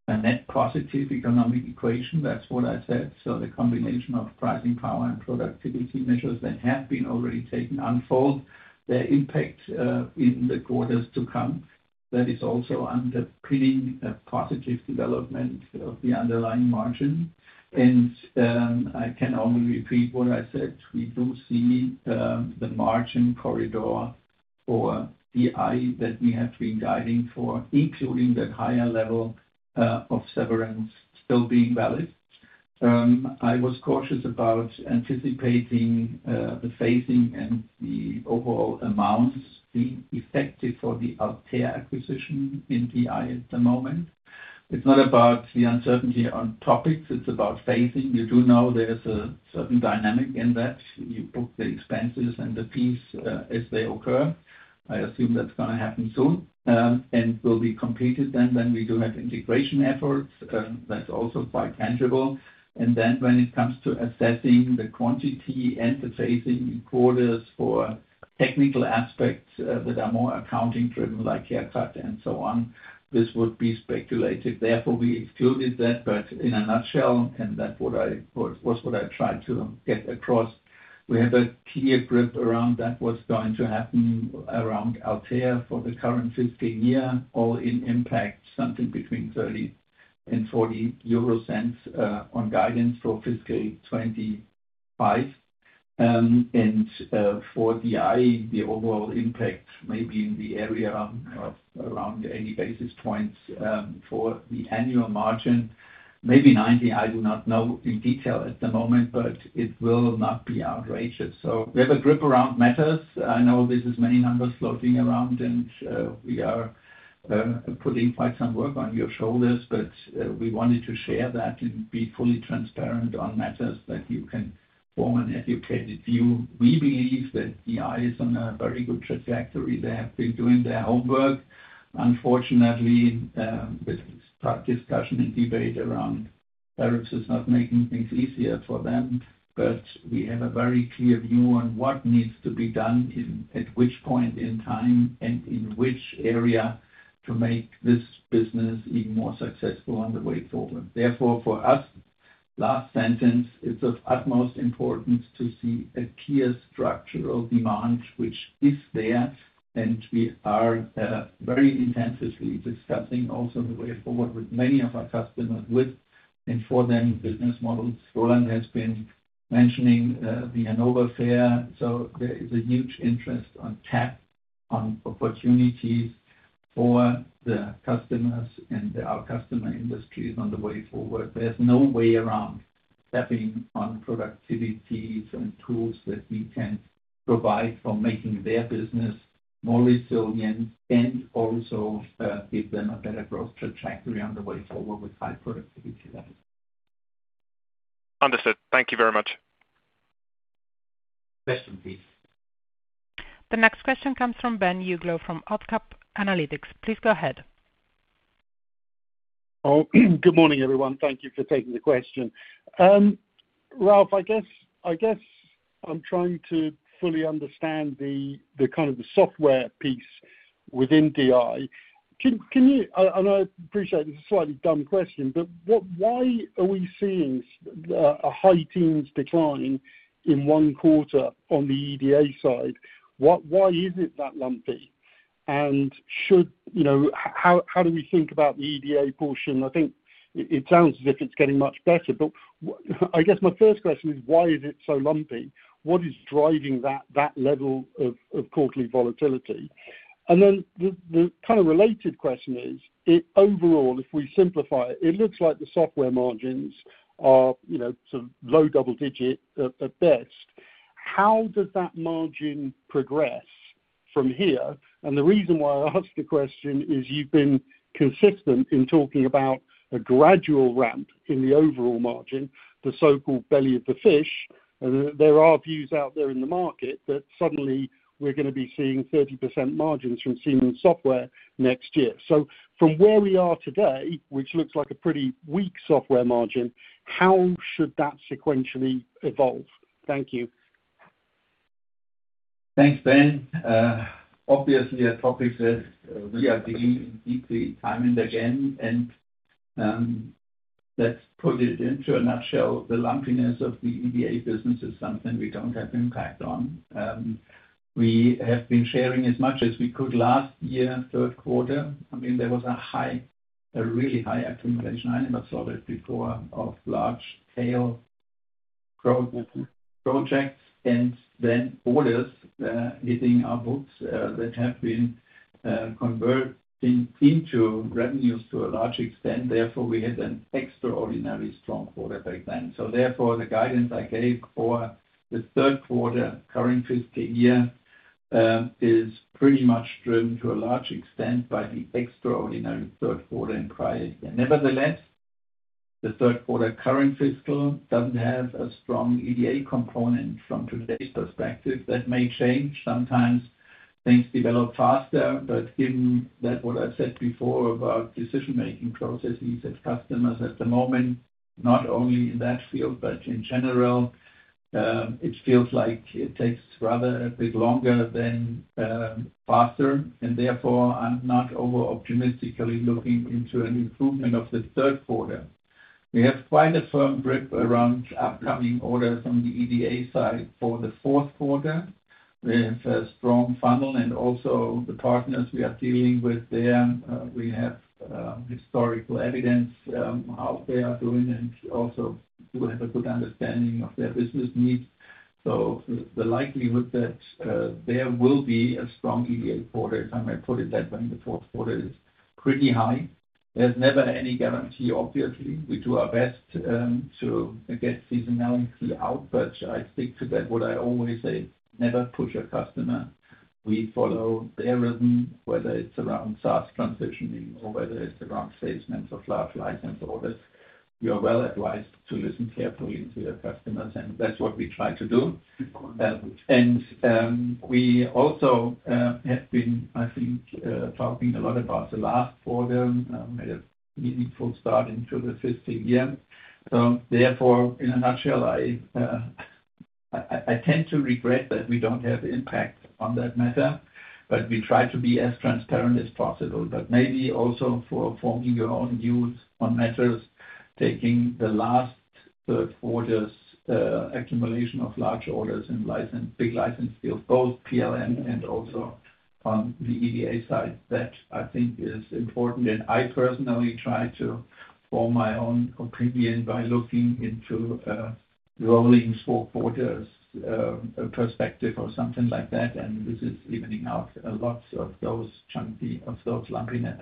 a net positive economic equation. That is what I said. The combination of pricing power and productivity measures that have been already taken unfold their impact in the quarters to come. That is also underpinning a positive development of the underlying margin. I can only repeat what I said. We do see the margin corridor for TI that we have been guiding for, including that higher level of severance, still being valid. I was cautious about anticipating the phasing and the overall amounts being effective for the Altair acquisition in TI at the moment. It is not about the uncertainty on topics. It is about phasing. You do know there is a certain dynamic in that you book the expenses and the fees as they occur. I assume that is going to happen soon and will be completed then. We do have integration efforts. That is also quite tangible. When it comes to assessing the quantity and the phasing in quarters for technical aspects that are more accounting-driven, like haircut and so on, this would be speculative. Therefore, we excluded that. In a nutshell, and that's what I tried to get across, we have a clear grip around that. What's going to happen around Altair for the current fiscal year, all in impact, something between 0.30-0.40 euro on guidance for fiscal 2025. For DI, the overall impact may be in the area of around 80 basis points for the annual margin. Maybe 90. I do not know in detail at the moment, but it will not be outrageous. We have a grip around matters. I know this is many numbers floating around, and we are putting quite some work on your shoulders. We wanted to share that and be fully transparent on matters that you can form an educated view. We believe that DI is on a very good trajectory. They have been doing their homework. Unfortunately, the discussion and debate around tariffs is not making things easier for them. We have a very clear view on what needs to be done, at which point in time, and in which area to make this business even more successful on the way forward. Therefore, for us, last sentence, it's of utmost importance to see a clear structural demand, which is there. We are very intensively discussing also the way forward with many of our customers. For them, business models. Roland has been mentioning the Hanover Fair. There is a huge interest on tap on opportunities for the customers and our customer industries on the way forward. There's no way around stepping on productivity and tools that we can provide for making their business more resilient and also give them a better growth trajectory on the way forward with high productivity levels. Understood. Thank you very much. Question, please. The next question comes from Ben Uglow from OxCap Analytics. Please go ahead. Good morning, everyone. Thank you for taking the question. Ralf, I guess I'm trying to fully understand the kind of the software piece within DI. And I appreciate this is a slightly dumb question, but why are we seeing a high teens decline in one quarter on the EDA side? Why is it that lumpy? And how do we think about the EDA portion? I think it sounds as if it's getting much better. I guess my first question is, why is it so lumpy? What is driving that level of quarterly volatility? The kind of related question is, overall, if we simplify it, it looks like the software margins are sort of low double digit at best. How does that margin progress from here? The reason why I asked the question is you've been consistent in talking about a gradual ramp in the overall margin, the so-called belly of the fish. There are views out there in the market that suddenly we're going to be seeing 30% margins from Siemens software next year. From where we are today, which looks like a pretty weak software margin, how should that sequentially evolve? Thank you. Thanks, Ben. Obviously, a topic that we are dealing in deeply timed again. Let's put it into a nutshell. The lumpiness of the EDA business is something we don't have impact on. We have been sharing as much as we could last year, third quarter. I mean, there was a really high accumulation. I never saw it before of large scale projects. And then orders hitting our books that have been converting into revenues to a large extent. Therefore, we had an extraordinarily strong quarter back then. Therefore, the guidance I gave for the third quarter current fiscal year is pretty much driven to a large extent by the extraordinary third quarter and prior year. Nevertheless, the third quarter current fiscal does not have a strong EDA component from today's perspective. That may change. Sometimes things develop faster. Given that what I said before about decision-making processes at customers at the moment, not only in that field, but in general, it feels like it takes rather a bit longer than faster. Therefore, I'm not over-optimistically looking into an improvement of the third quarter. We have quite a firm grip around upcoming orders on the EDA side for the fourth quarter. We have a strong funnel and also the partners we are dealing with there. We have historical evidence how they are doing and also do have a good understanding of their business needs. The likelihood that there will be a strong EDA quarter, if I may put it that way, in the fourth quarter is pretty high. There's never any guarantee, obviously. We do our best to get seasonality out. I stick to that. What I always say, never push a customer. We follow their rhythm, whether it's around SaaS transitioning or whether it's around salesmen's or flash license orders. You are well advised to listen carefully to your customers. That's what we try to do. We also have been, I think, talking a lot about the last quarter. We had a meaningful start into the fiscal year. Therefore, in a nutshell, I tend to regret that we do not have impact on that matter. We try to be as transparent as possible. Maybe also for forming your own views on matters, taking the last third quarter's accumulation of large orders and big license deals, both PLM and also on the EDA side, that I think is important. I personally try to form my own opinion by looking into rolling four quarters perspective or something like that. This is evening out lots of those lumpiness.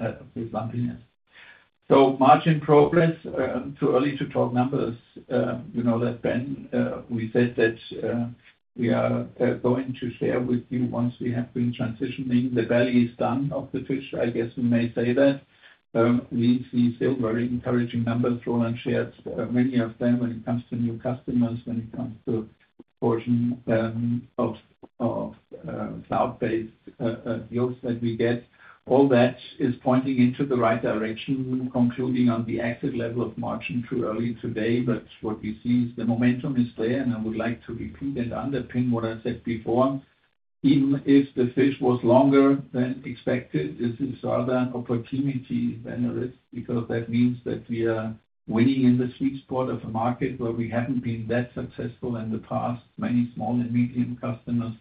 Margin progress, too early to talk numbers. You know that, Ben. We said that we are going to share with you once we have been transitioning. The belly is done of the fish, I guess we may say that. We see still very encouraging numbers. Roland shared many of them when it comes to new customers, when it comes to portion of cloud-based deals that we get. All that is pointing into the right direction, concluding on the exit level of margin too early today. What we see is the momentum is there. I would like to repeat and underpin what I said before. Even if the fish was longer than expected, this is rather an opportunity than a risk because that means that we are winning in the sweet spot of a market where we haven't been that successful in the past. Many small and medium customers,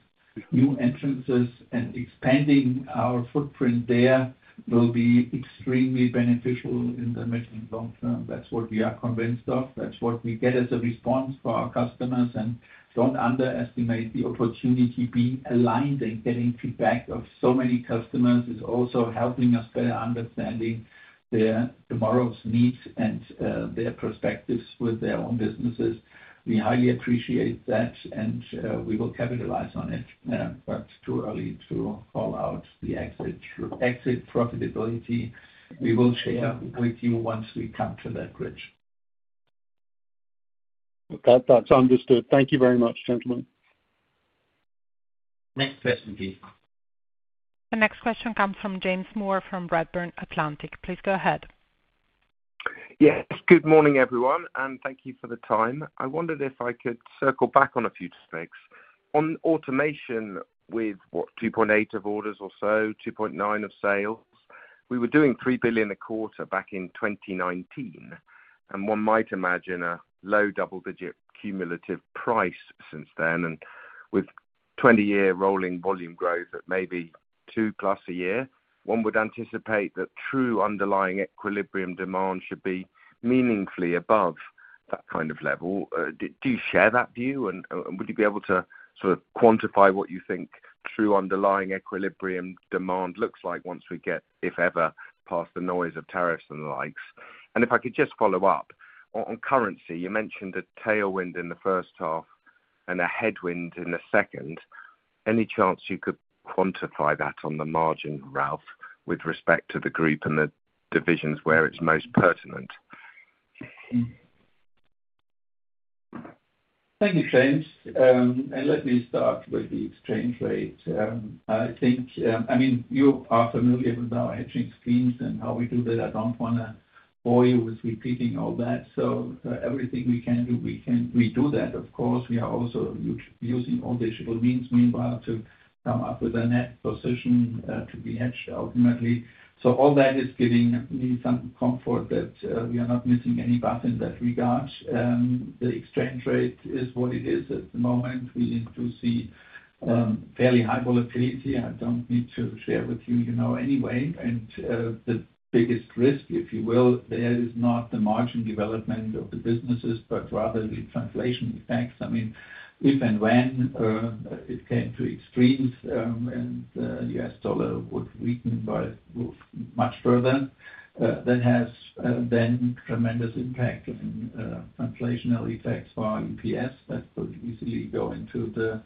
new entrances, and expanding our footprint there will be extremely beneficial in the medium and long term. That's what we are convinced of. That's what we get as a response for our customers. Do not underestimate the opportunity being aligned and getting feedback of so many customers is also helping us better understanding their tomorrow's needs and their perspectives with their own businesses. We highly appreciate that, and we will capitalize on it. Too early to call out the exit profitability. We will share with you once we come to that bridge. That's understood. Thank you very much, gentlemen. Next question, please. The next question comes from James Moore from Redburn Atlantic. Please go ahead. Yes. Good morning, everyone. And thank you for the time. I wondered if I could circle back on a few specs. On automation with, what, 2.8 of orders or so, 2.9 of sales, we were doing 3 billion a quarter back in 2019. One might imagine a low double digit cumulative price since then. With 20-year rolling volume growth at maybe 2% plus a year, one would anticipate that true underlying equilibrium demand should be meaningfully above that kind of level. Do you share that view? Would you be able to sort of quantify what you think true underlying equilibrium demand looks like once we get, if ever, past the noise of tariffs and the likes? If I could just follow up, on currency, you mentioned a tailwind in the first half and a headwind in the second. Any chance you could quantify that on the margin, Ralf, with respect to the group and the divisions where it's most pertinent? Thank you, James. Let me start with the exchange rate. I mean, you are familiar with our exchange schemes and how we do that. I do not want to bore you with repeating all that. Everything we can do, we do that, of course. We are also using all digital means meanwhile to come up with a net position to be hedged ultimately. All that is giving me some comfort that we are not missing any button in that regard. The exchange rate is what it is at the moment. We need to see fairly high volatility. I do not need to share with you anyway. The biggest risk, if you will, there is not the margin development of the businesses, but rather the translation effects. I mean, if and when it came to extremes and the US dollar would weaken much further, that has then tremendous impact on translational effects for our EPS that could easily go into the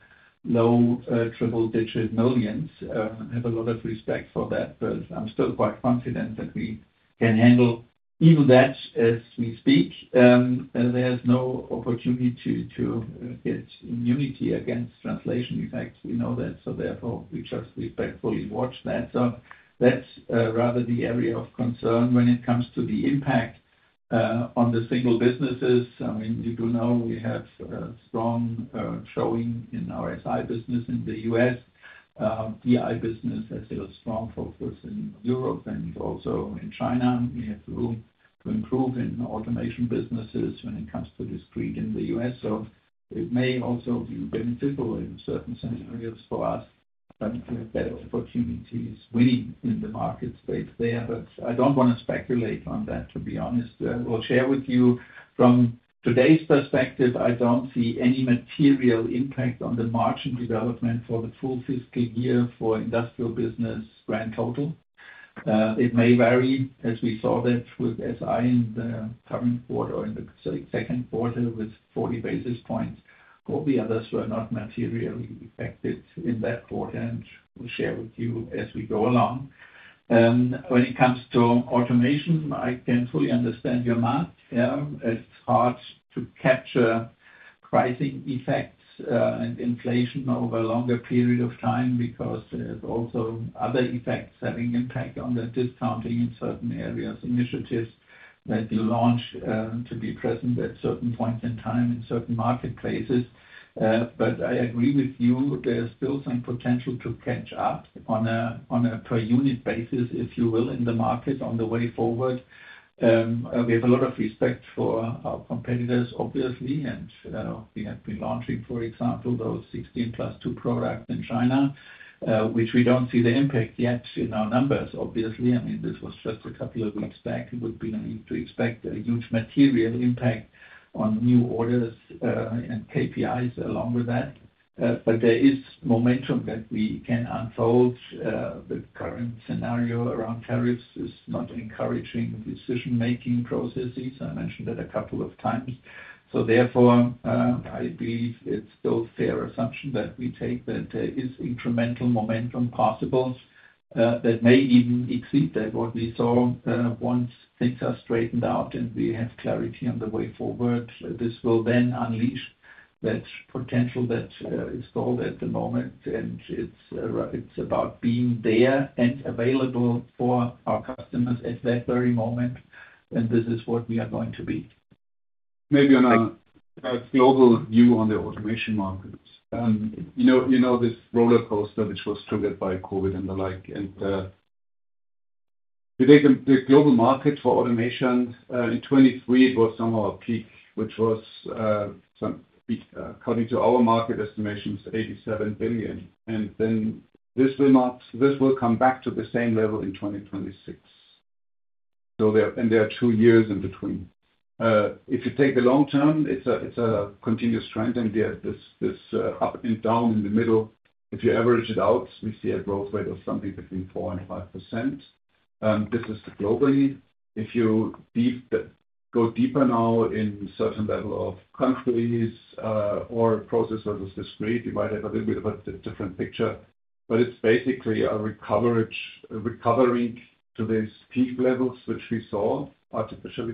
low triple-digit millions. I have a lot of respect for that, but I'm still quite confident that we can handle even that as we speak. There's no opportunity to get immunity against translation effects. We know that. Therefore, we just respectfully watch that. That's rather the area of concern when it comes to the impact on the single businesses. I mean, you do know we have strong showing in our SI business in the U.S. DI business has a strong focus in Europe and also in China. We have room to improve in automation businesses when it comes to the screen in the U.S. It may also be beneficial in certain scenarios for us trying to get opportunities winning in the market space there. I don't want to speculate on that, to be honest. I will share with you from today's perspective, I don't see any material impact on the margin development for the full fiscal year for industrial business grand total. It may vary, as we saw that with SI in the current quarter or in the second quarter with 40 basis points. All the others were not materially affected in that quarter. We'll share with you as we go along. When it comes to automation, I can fully understand your mark. It's hard to capture pricing effects and inflation over a longer period of time because there's also other effects having impact on the discounting in certain areas, initiatives that you launch to be present at certain points in time in certain marketplaces. I agree with you. There's still some potential to catch up on a per-unit basis, if you will, in the market on the way forward. We have a lot of respect for our competitors, obviously. We have been launching, for example, those 16 plus 2 products in China, which we do not see the impact yet in our numbers, obviously. I mean, this was just a couple of weeks back. It would be to expect a huge material impact on new orders and KPIs along with that. There is momentum that we can unfold. The current scenario around tariffs is not encouraging decision-making processes. I mentioned that a couple of times. I believe it is still a fair assumption that we take that there is incremental momentum possible that may even exceed what we saw once things are straightened out and we have clarity on the way forward. This will then unleash that potential that is told at the moment. It is about being there and available for our customers at that very moment. This is what we are going to be. Maybe on a global view on the automation markets. You know this roller coaster which was triggered by COVID and the like. The global market for automation in 2023, it was somewhere peak, which was, according to our market estimations, 87 billion. This will come back to the same level in 2026. There are two years in between. If you take the long term, it is a continuous trend. There is this up and down in the middle. If you average it out, we see a growth rate of something between 4% and 5%. This is globally. If you go deeper now in certain level of countries or processes as discrete, you might have a little bit of a different picture. It is basically a recovering to these peak levels which we saw artificially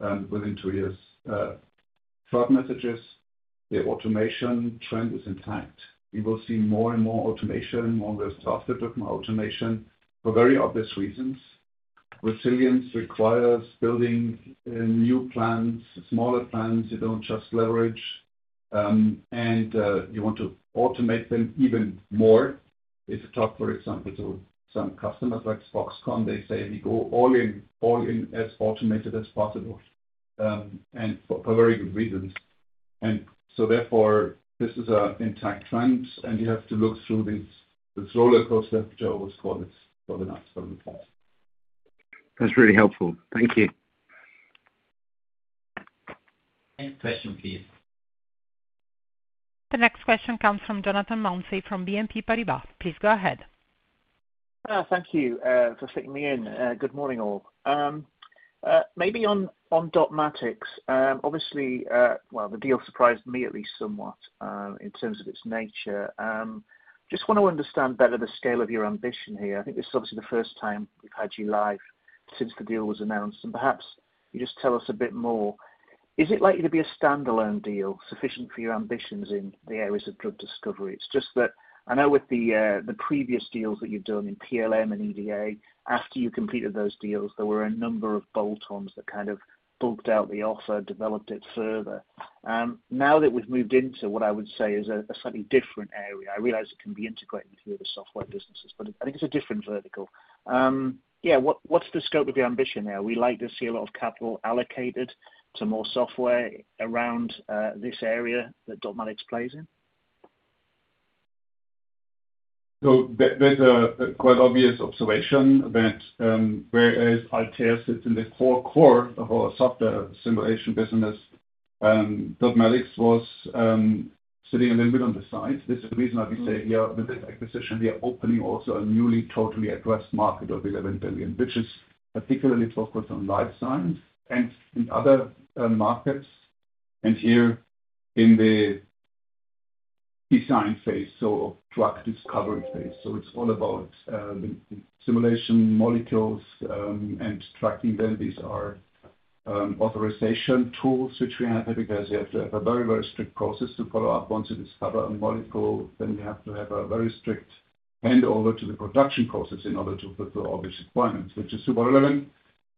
built within two years. Short messages, the automation trend is intact. We will see more and more automation, more and less after-document automation for very obvious reasons. Resilience requires building new plans, smaller plans. You do not just leverage. You want to automate them even more. It is tough, for example, to some customers like Foxconn. They say, "We go all in as automated as possible for very good reasons." Therefore, this is an intact trend. You have to look through this roller coaster, which I always call it, for the next couple of years. That is really helpful. Thank you. Next question, please. The next question comes from Jonathan Mouncey from BNP Paribas. Please go ahead. Thank you for sticking me in. Good morning, all. Maybe on Dotmatics, obviously, the deal surprised me at least somewhat in terms of its nature. Just want to understand better the scale of your ambition here. I think this is obviously the first time we've had you live since the deal was announced. Perhaps you just tell us a bit more. Is it likely to be a standalone deal sufficient for your ambitions in the areas of drug discovery? It's just that I know with the previous deals that you've done in PLM and EDA, after you completed those deals, there were a number of bolt-ons that kind of bulked out the offer, developed it further. Now that we've moved into what I would say is a slightly different area, I realize it can be integrated with the other software businesses. I think it's a different vertical. Yeah. What's the scope of your ambition there? We like to see a lot of capital allocated to more software around this area that Dotmatics plays in. There is a quite obvious observation that whereas Altair sits in the core core of our software simulation business, Dotmatics was sitting a little bit on the side. This is the reason I have been saying here with this acquisition, we are opening also a newly totally addressed market of 11 billion, which is particularly focused on life science and in other markets and here in the design phase, drug discovery phase. It is all about simulation molecules and tracking them. These are authorization tools which we have because you have to have a very, very strict process to follow up. Once you discover a molecule, then you have to have a very strict handover to the production process in order to fulfill all these requirements, which is super relevant.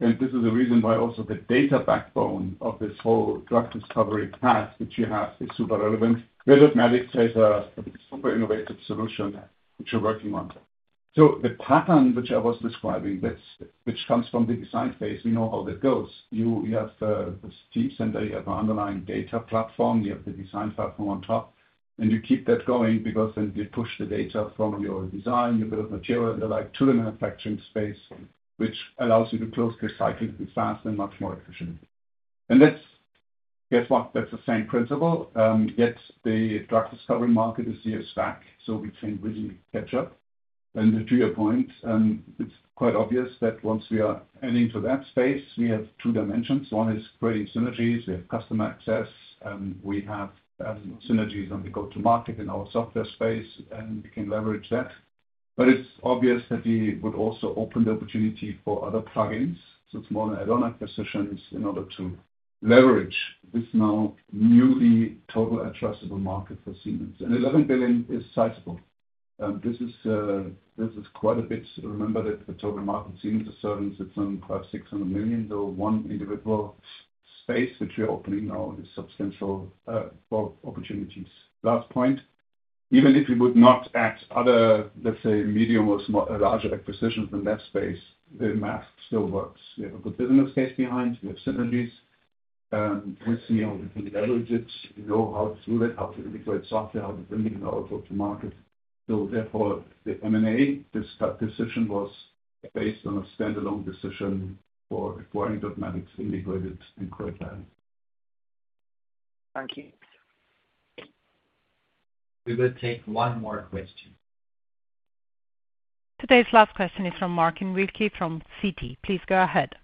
This is the reason why also the data backbone of this whole drug discovery path that you have is super relevant. Where Dotmatics has a super innovative solution which we're working on. The pattern which I was describing, which comes from the design phase, we know how that goes. You have the steam center, you have an underlying data platform, you have the design platform on top, and you keep that going because then you push the data from your design, you build material and the like to the manufacturing space, which allows you to close the cycle faster and much more efficiently. Guess what? That is the same principle. Yet the drug discovery market is years back, so we can really catch up. To your point, it is quite obvious that once we are heading to that space, we have two dimensions. One is creating synergies. We have customer access. We have synergies on the go-to-market in our software space, and we can leverage that. It is obvious that we would also open the opportunity for other plug-ins. It is more than add-on acquisitions in order to leverage this now newly total addressable market for Siemens. 11 billion is sizable. This is quite a bit. Remember that the total market Siemens is serving is EUR 600 million, though one individual space which we are opening now is substantial opportunities. Last point. Even if you would not add other, let's say, medium or larger acquisitions in that space, the math still works. We have a good business case behind. We have synergies. We see how we can leverage it. We know how to do that, how to integrate software, how to bring it in our go-to-market. Therefore, the M&A decision was based on a standalone decision for acquiring Dotmatics, integrated and quite valid. Thank you. We will take one more question. Today's last question is from Martin Wilke from Citi. Please go ahead.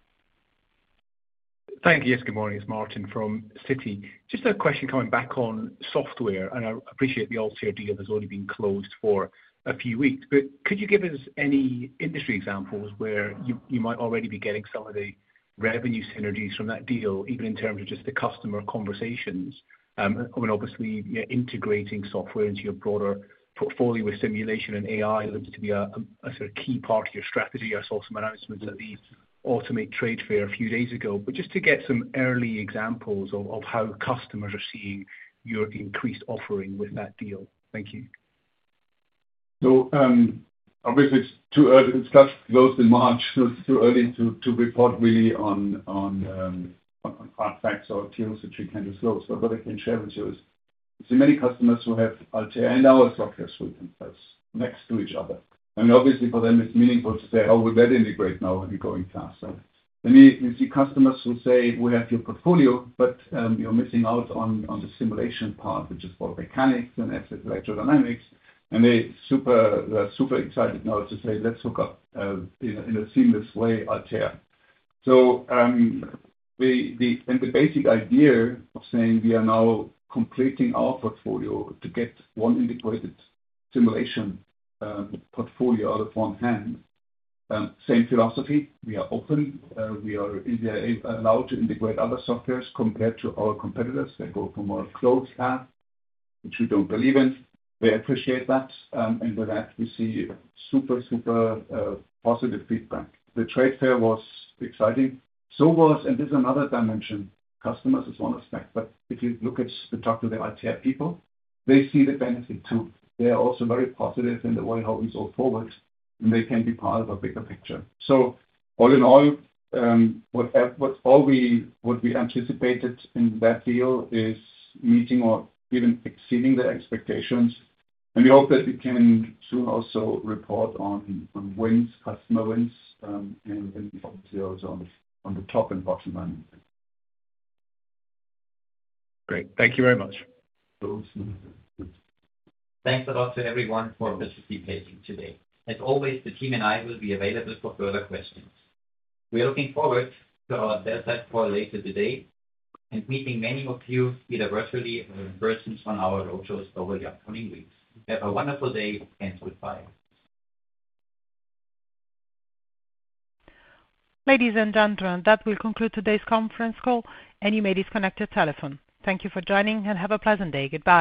Thank you. Yes, good morning. It's Martin from Citi. Just a question coming back on software. I appreciate the Altair deal has only been closed for a few weeks. Could you give us any industry examples where you might already be getting some of the revenue synergies from that deal, even in terms of just the customer conversations? I mean, obviously, integrating software into your broader portfolio with simulation and AI looks to be a sort of key part of your strategy. I saw some announcements at the Automate Trade Fair a few days ago. Just to get some early examples of how customers are seeing your increased offering with that deal. Thank you. Obviously, it's too early. It just closed in March. It's too early to report really on fun facts or deals which we can disclose. What I can share with you is there are many customers who have Altair and our software suite next to each other. Obviously, for them, it's meaningful to say, "How will that integrate now and going fast?" You see customers who say, "We have your portfolio, but you're missing out on the simulation part, which is for mechanics and electrical dynamics." They're super excited now to say, "Let's hook up in a seamless way, Altair." The basic idea of saying we are now completing our portfolio to get one integrated simulation portfolio out of one hand, same philosophy. We are open. We are allowed to integrate other softwares compared to our competitors. They go for a more closed path, which we do not believe in. They appreciate that. With that, we see super, super positive feedback. The trade fair was exciting. This is another dimension. Customers is one aspect. If you look at and talk to the Altair people, they see the benefit too. They are also very positive in the way how we go forward, and they can be part of a bigger picture. All in all, what we anticipated in that deal is meeting or even exceeding the expectations. We hope that we can soon also report on wins, customer wins, and obviously also on the top and bottom line. Great. Thank you very much. Thanks a lot to everyone for participating today. As always, the team and I will be available for further questions. We are looking forward to our sales for later today and meeting many of you either virtually or in person on our roadshows over the upcoming weeks. Have a wonderful day and goodbye. Ladies and gentlemen, that will conclude today's conference call. Anyway, disconnect your telephone. Thank you for joining and have a pleasant day. Goodbye.